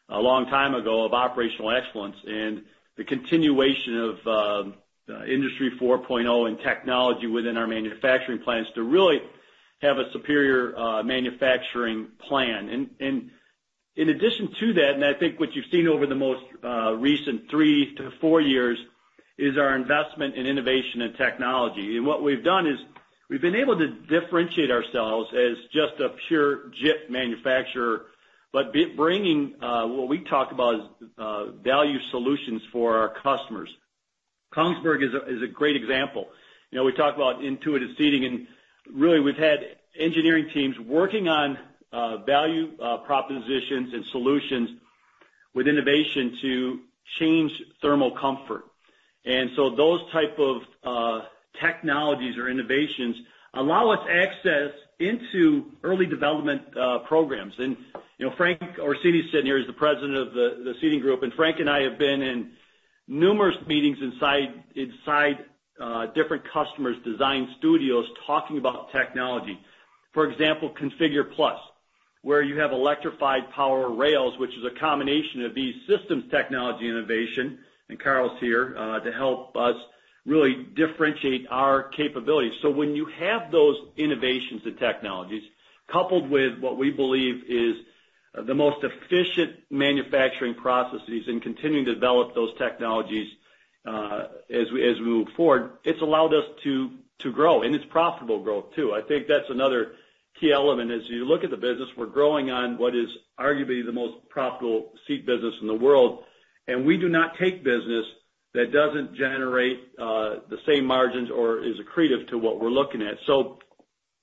a long time ago of operational excellence and the continuation of Industry 4.0 and technology within our manufacturing plants to really have a superior manufacturing plan. In addition to that, I think what you've seen over the most recent three to four years is our investment in innovation and technology. What we've done is we've been able to differentiate ourselves as just a pure JIT manufacturer, but bringing what we talk about as value solutions for our customers. Kongsberg is a great example. You know, we talk about intuitive seating, and really, we've had engineering teams working on value propositions and solutions with innovation to change thermal comfort. Those type of technologies or innovations allow us access into early development programs. You know, Frank Orsini sitting here is the President of the Seating group, and Frank and I have been in numerous meetings inside different customers' design studios talking about technology. For example, ConfigurE, where you have electrified power rails, which is a combination of E-Systems technology innovation, and Carl's here to help us really differentiate our capabilities. When you have those innovations and technologies, coupled with what we believe is the most efficient manufacturing processes and continuing to develop those technologies, as we move forward, it's allowed us to grow, and it's profitable growth too. I think that's another key element as you look at the business. We're growing on what is arguably the most profitable seat business in the world, and we do not take business that doesn't generate the same margins or is accretive to what we're looking at.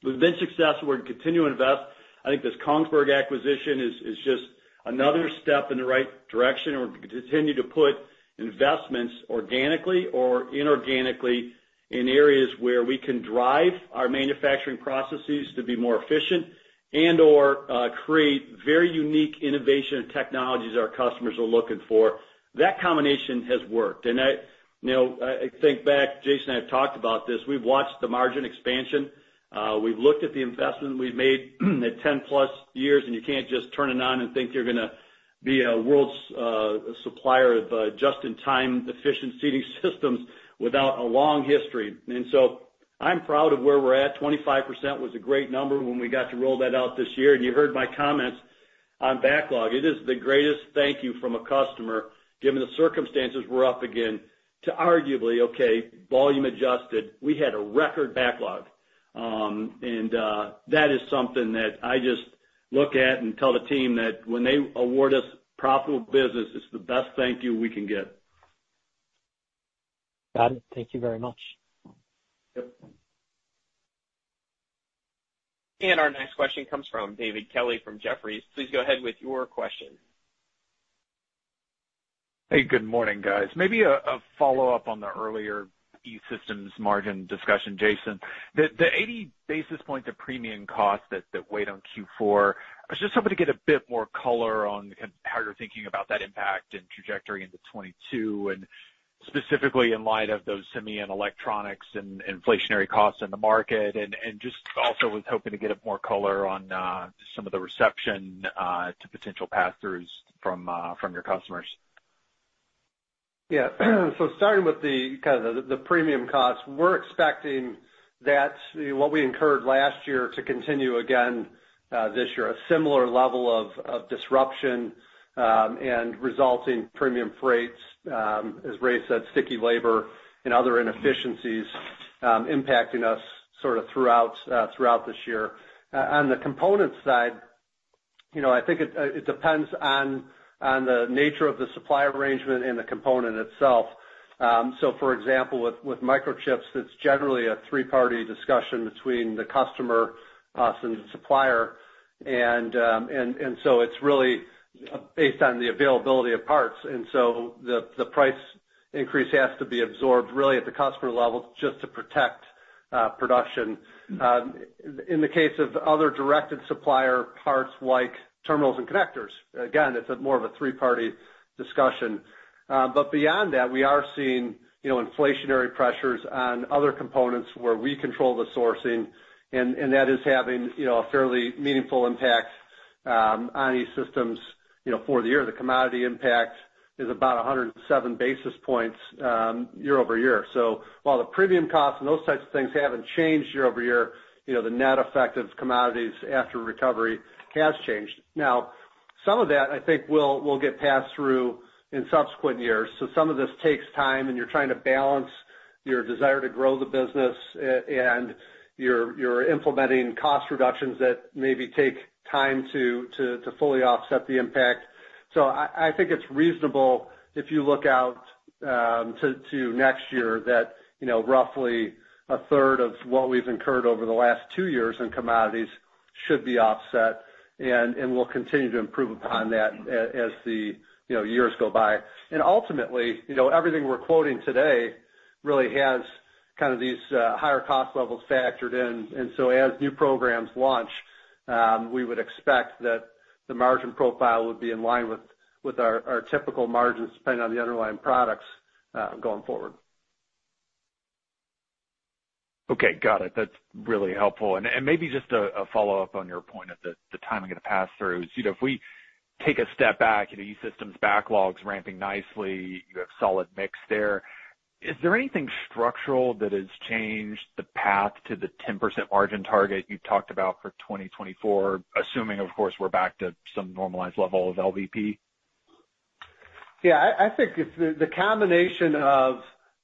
We've been successful. We're gonna continue to invest. I think this Kongsberg acquisition is just another step in the right direction, and we're gonna continue to put investments organically or inorganically in areas where we can drive our manufacturing processes to be more efficient and/or create very unique innovation and technologies our customers are looking for. That combination has worked. I, you know, think back. Jason and I have talked about this. We've watched the margin expansion. We've looked at the investment we've made at 10+ years, and you can't just turn it on and think you're gonna be a world's supplier of just-in-time efficient seating systems without a long history. I'm proud of where we're at. 25% was a great number when we got to roll that out this year. You heard my comments on backlog. It is the greatest thank you from a customer given the circumstances we're up against to arguably, okay, volume adjusted, we had a record backlog. That is something that I just look at and tell the team that when they award us profitable business, it's the best thank you we can get. Got it. Thank you very much. Yep. Our next question comes from David Kelley from Jefferies. Please go ahead with your question. Hey, good morning, guys. Maybe a follow-up on the earlier E-Systems margin discussion, Jason. The 80 basis points of premium cost that weighed on Q4, I was just hoping to get a bit more color on kind of how you're thinking about that impact and trajectory into 2022, and specifically in light of those semi and electronics and inflationary costs in the market. I just also was hoping to get more color on some of the reception to potential pass-throughs from your customers. Yeah. Starting with premium costs, we're expecting that what we incurred last year to continue again this year. A similar level of disruption and resulting premium freights, as Ray said, sticky labor and other inefficiencies, impacting us sort of throughout this year. On the component side, you know, I think it depends on the nature of the supply arrangement and the component itself. So for example, with microchips, it's generally a three-party discussion between the customer, us, and the supplier. It's really based on the availability of parts. The price increase has to be absorbed really at the customer level just to protect production. In the case of other directed supplier parts like terminals and connectors, again, it's more of a three-party discussion. But beyond that, we are seeing, you know, inflationary pressures on other components where we control the sourcing, and that is having, you know, a fairly meaningful impact on E-Systems, you know, for the year. The commodity impact is about 107 basis points year-over-year. While the premium costs and those types of things haven't changed year-over-year, you know, the net effect of commodities after recovery has changed. Now, some of that, I think, will get passed through in subsequent years. Some of this takes time, and you're trying to balance your desire to grow the business and you're implementing cost reductions that maybe take time to fully offset the impact. I think it's reasonable if you look out to next year that, you know, roughly a third of what we've incurred over the last two years in commodities should be offset, and we'll continue to improve upon that as the, you know, years go by. Ultimately, you know, everything we're quoting today really has kind of these higher cost levels factored in. As new programs launch, we would expect that the margin profile would be in line with our typical margins depending on the underlying products going forward. Okay. Got it. That's really helpful. Maybe just a follow-up on your point at the timing of the pass-throughs. You know, if we take a step back, you know, E-Systems backlogs ramping nicely, you have solid mix there. Is there anything structural that has changed the path to the 10% margin target you talked about for 2024, assuming, of course, we're back to some normalized level of LVP? Yeah. I think it's the combination of,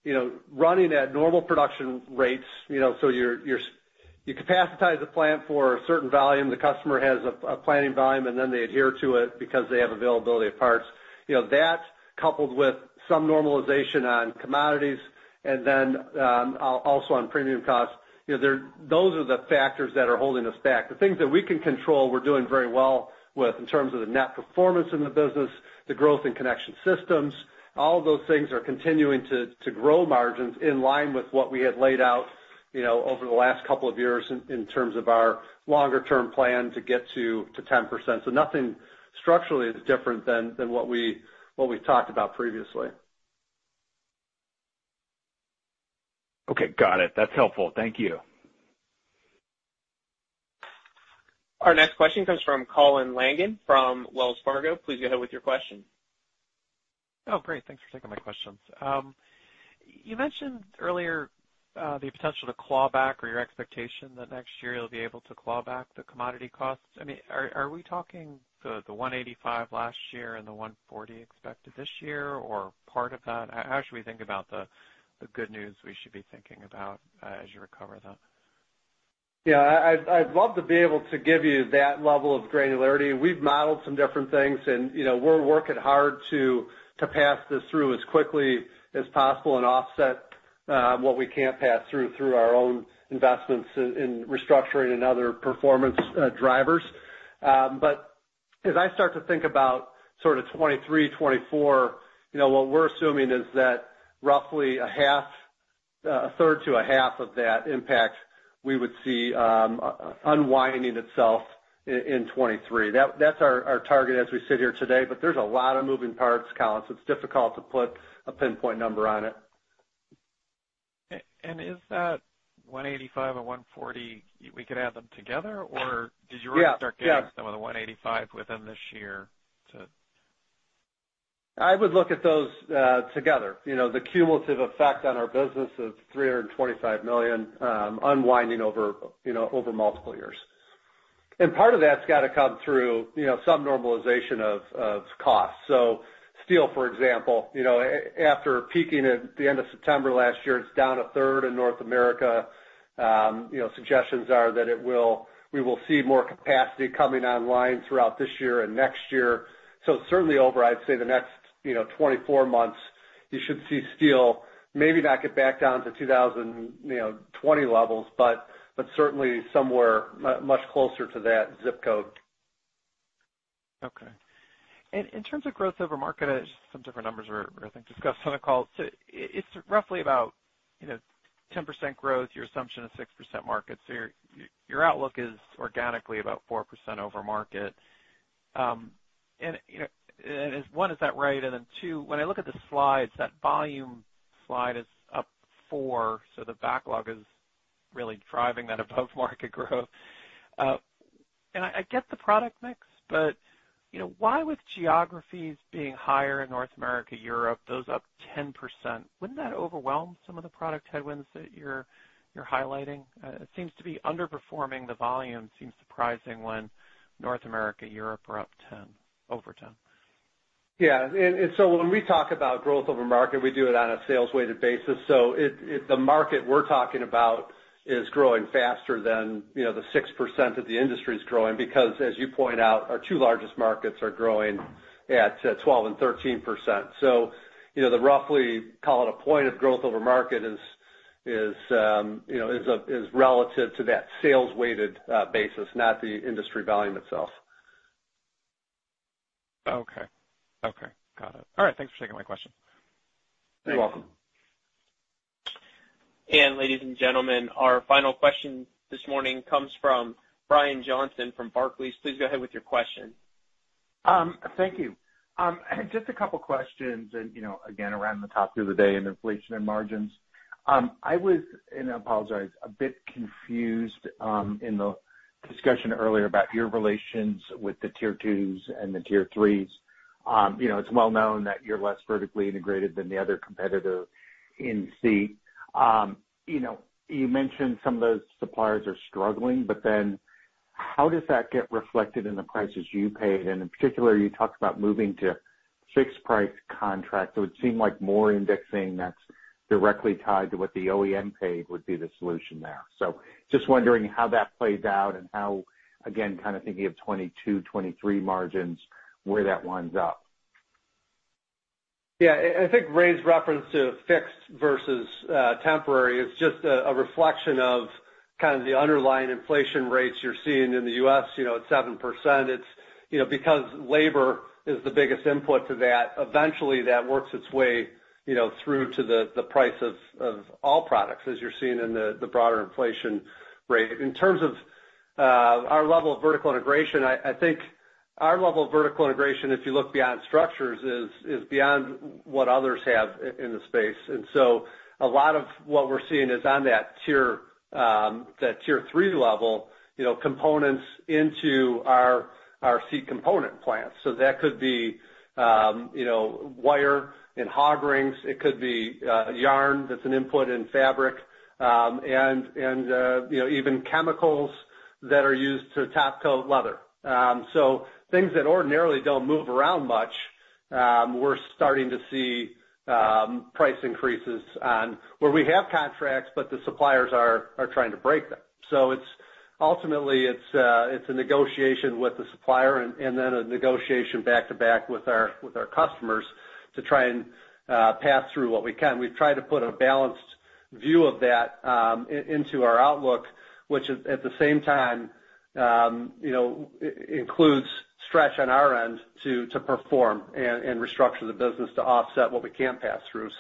you know, running at normal production rates, you know, so you capacitize a plant for a certain volume, the customer has a planning volume, and then they adhere to it because they have availability of parts. You know, that coupled with some normalization on commodities and then also on premium costs, you know, those are the factors that are holding us back. The things that we can control, we're doing very well with in terms of the net performance in the business, the growth in connection systems. All of those things are continuing to grow margins in line with what we had laid out, you know, over the last couple of years in terms of our longer term plan to get to 10%. Nothing structurally is different than what we've talked about previously. Okay. Got it. That's helpful. Thank you. Our next question comes from Colin Langan from Wells Fargo. Please go ahead with your question. Oh, great. Thanks for taking my questions. You mentioned earlier, the potential to claw back or your expectation that next year you'll be able to claw back the commodity costs. I mean, are we talking the $185 last year and the $140 expected this year, or part of that? How should we think about the good news we should be thinking about, as you recover that? Yeah, I'd love to be able to give you that level of granularity. We've modeled some different things, and, you know, we're working hard to pass this through as quickly as possible and offset what we can't pass through through our own investments in restructuring and other performance drivers. As I start to think about sort of 2023, 2024, you know, what we're assuming is that roughly a half, a third to a half of that impact we would see unwinding itself in 2023. That's our target as we sit here today, but there's a lot of moving parts, Colin, so it's difficult to put a pinpoint number on it. Is that $185 and $140, we could add them together, or did you already start getting some of the $185 within this year too? I would look at those together. You know, the cumulative effect on our business of $325 million unwinding over multiple years. Part of that's got to come through, you know, some normalization of costs. Steel, for example, you know, after peaking at the end of September last year, it's down a third in North America. You know, suggestions are that it will, we will see more capacity coming online throughout this year and next year. Certainly over, I'd say, the next 24 months, you should see steel maybe not get back down to 2020 levels, but certainly somewhere much closer to that zip code. Okay. In terms of growth over market, some different numbers were, I think, discussed on the call. It's roughly about, you know, 10% growth, your assumption is 6% market. Your outlook is organically about 4% over market. One, is that right? Then two, when I look at the slides, that volume slide is up four, so the backlog is really driving that above market growth. I get the product mix, but, you know, why with geographies being higher in North America, Europe, those up 10%, wouldn't that overwhelm some of the product headwinds that you're highlighting? It seems to be underperforming. The volume seems surprising when North America, Europe are up 10, over 10. Yeah. When we talk about growth over market, we do it on a sales-weighted basis. It the market we're talking about is growing faster than, you know, the 6% that the industry is growing, because as you point out, our two largest markets are growing at 12% and 13%. You know, the roughly, call it a point of growth over market is relative to that sales-weighted basis, not the industry volume itself. Okay. Okay. Got it. All right. Thanks for taking my question. You're welcome. Ladies and gentlemen, our final question this morning comes from Brian Johnson from Barclays. Please go ahead with your question. Thank you. Just a couple of questions and, you know, again, around the top of the call in inflation and margins. I was, and I apologize, a bit confused, in the discussion earlier about your relations with the tier twos and the tier threes. You know, it's well known that you're less vertically integrated than the other competitor in seating. You know, you mentioned some of those suppliers are struggling, but then how does that get reflected in the prices you paid? And in particular, you talked about moving to fixed price contracts. It would seem like more indexing that's directly tied to what the OEM paid would be the solution there. Just wondering how that plays out and how, again, kind of thinking of 2022, 2023 margins, where that winds up. Yeah. I think Ray's reference to fixed versus temporary is just a reflection of kind of the underlying inflation rates you're seeing in the U.S., you know, at 7%. It's you know, because labor is the biggest input to that. Eventually, that works its way, you know, through to the price of all products, as you're seeing in the broader inflation rate. In terms of our level of vertical integration, I think our level of vertical integration, if you look beyond structures, is beyond what others have in the space. A lot of what we're seeing is on that tier three level, you know, components into our seat component plants. That could be, you know, wire and hog rings. It could be yarn that's an input in fabric, and you know, even chemicals that are used to top coat leather. Things that ordinarily don't move around much, we're starting to see price increases on where we have contracts, but the suppliers are trying to break them. It's ultimately a negotiation with the supplier and then a negotiation back-to-back with our customers to try and pass through what we can. We've tried to put a balanced view of that into our outlook, which at the same time, you know, includes stretch on our end to perform and restructure the business to offset what we can't pass through.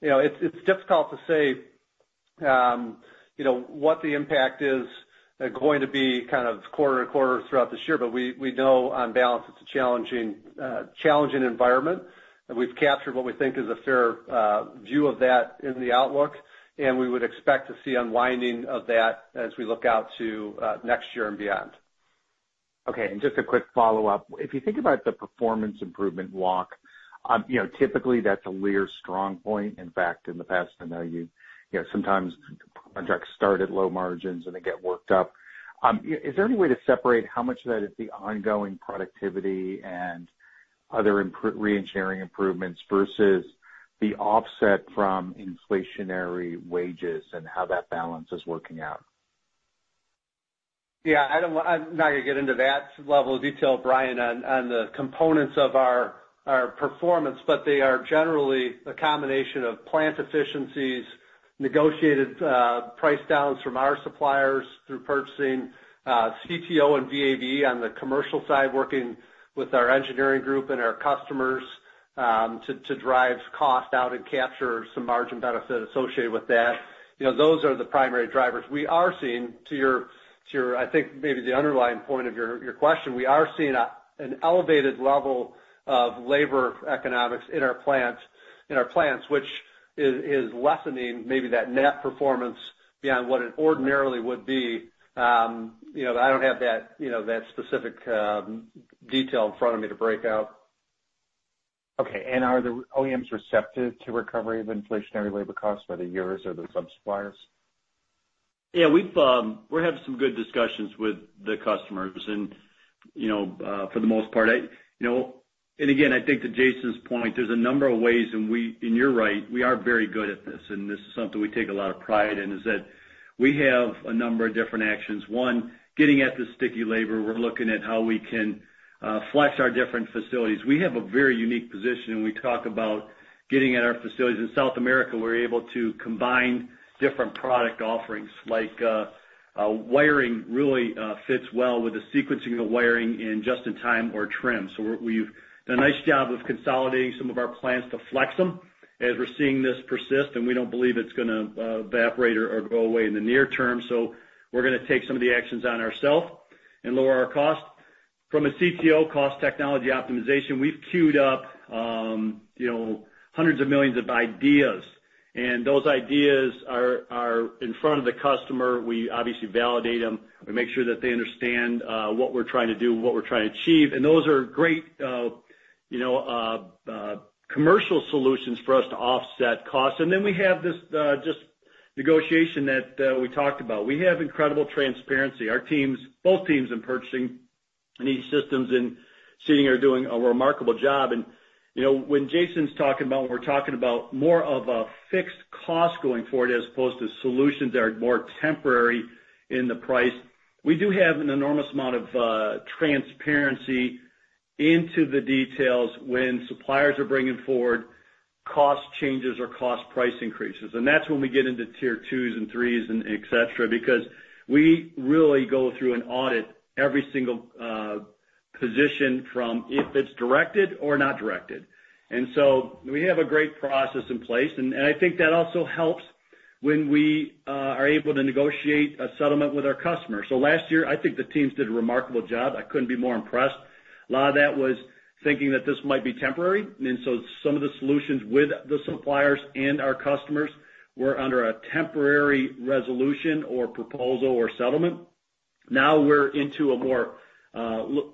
You know, it's difficult to say, you know, what the impact is going to be kind of quarter to quarter throughout this year. We know on balance it's a challenging environment, and we've captured what we think is a fair view of that in the outlook, and we would expect to see unwinding of that as we look out to next year and beyond. Okay. Just a quick follow-up. If you think about the performance improvement walk, you know, typically that's a Lear strong point. In fact, in the past, I know you know, sometimes projects start at low margins, and they get worked up. Is there any way to separate how much of that is the ongoing productivity and other re-engineering improvements versus the offset from inflationary wages and how that balance is working out? Yeah, I'm not gonna get into that level of detail, Brian, on the components of our performance, but they are generally a combination of plant efficiencies, negotiated price downs from our suppliers through purchasing, CPO and VAVE on the commercial side, working with our engineering group and our customers to drive cost out and capture some margin benefit associated with that. You know, those are the primary drivers. We are seeing to your, I think maybe the underlying point of your question, we are seeing an elevated level of labor economics in our plants, which is lessening maybe that net performance beyond what it ordinarily would be. You know, I don't have that, you know, that specific detail in front of me to break out. Okay. Are the OEMs receptive to recovery of inflationary labor costs, whether yours or the sub-suppliers? Yeah. We're having some good discussions with the customers and, you know, for the most part. Again, I think to Jason's point, there's a number of ways, and you're right, we are very good at this, and this is something we take a lot of pride in, is that we have a number of different actions. One, getting at the sticky labor. We're looking at how we can flex our different facilities. We have a very unique position, and we talk about getting at our facilities. In South America, we're able to combine different product offerings like wiring really fits well with the sequencing of wiring in just in time or trim. We've done a nice job of consolidating some of our plants to flex them as we're seeing this persist, and we don't believe it's gonna evaporate or go away in the near term. We're gonna take some of the actions on ourselves and lower our costs. From a CTO cost technology optimization, we've queued up, you know, hundreds of millions of ideas, and those ideas are in front of the customer. We obviously validate them. We make sure that they understand what we're trying to do and what we're trying to achieve. Those are great, you know, commercial solutions for us to offset costs. Then we have this just negotiation that we talked about. We have incredible transparency. Our teams, both teams in purchasing and E-Systems and Seating are doing a remarkable job. You know, when Jason's talking about, we're talking about more of a fixed cost going forward as opposed to solutions that are more temporary in the price. We do have an enormous amount of transparency into the details when suppliers are bringing forward cost changes or cost price increases. That's when we get into tier twos and threes and et cetera, because we really go through and audit every single position from if it's directed or not directed. We have a great process in place. I think that also helps when we are able to negotiate a settlement with our customers. Last year, I think the teams did a remarkable job. I couldn't be more impressed. A lot of that was thinking that this might be temporary. Some of the solutions with the suppliers and our customers were under a temporary resolution or proposal or settlement. Now we're into a more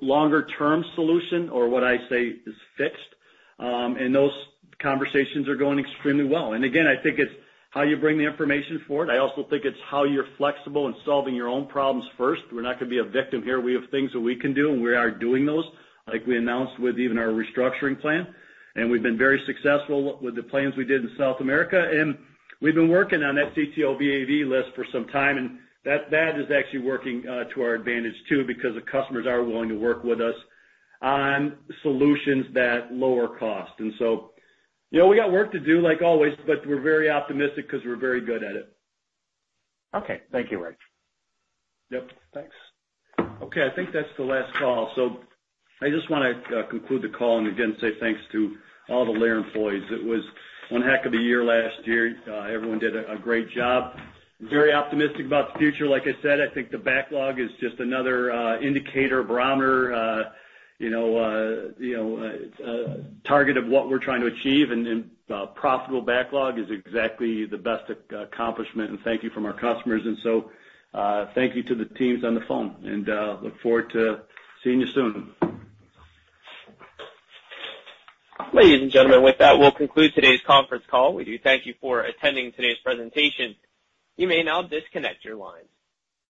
longer term solution or what I say is fixed. Those conversations are going extremely well. Again, I think it's how you bring the information forward. I also think it's how you're flexible in solving your own problems first. We're not gonna be a victim here. We have things that we can do, and we are doing those, like we announced with even our restructuring plan. We've been very successful with the plans we did in South America. We've been working on that CTO, VAVE list for some time, and that is actually working to our advantage too, because the customers are willing to work with us on solutions that lower cost. You know, we got work to do like always, but we're very optimistic 'cause we're very good at it. Okay. Thank you, Rick. Yep. Thanks. Okay, I think that's the last call. I just wanna conclude the call and again say thanks to all the Lear employees. It was one heck of a year last year. Everyone did a great job. Very optimistic about the future. Like I said, I think the backlog is just another indicator barometer target of what we're trying to achieve. Profitable backlog is exactly the best accomplishment and thank you from our customers. Thank you to the teams on the phone and look forward to seeing you soon. Ladies and gentlemen, with that, we'll conclude today's conference call. We do thank you for attending today's presentation. You may now disconnect your lines.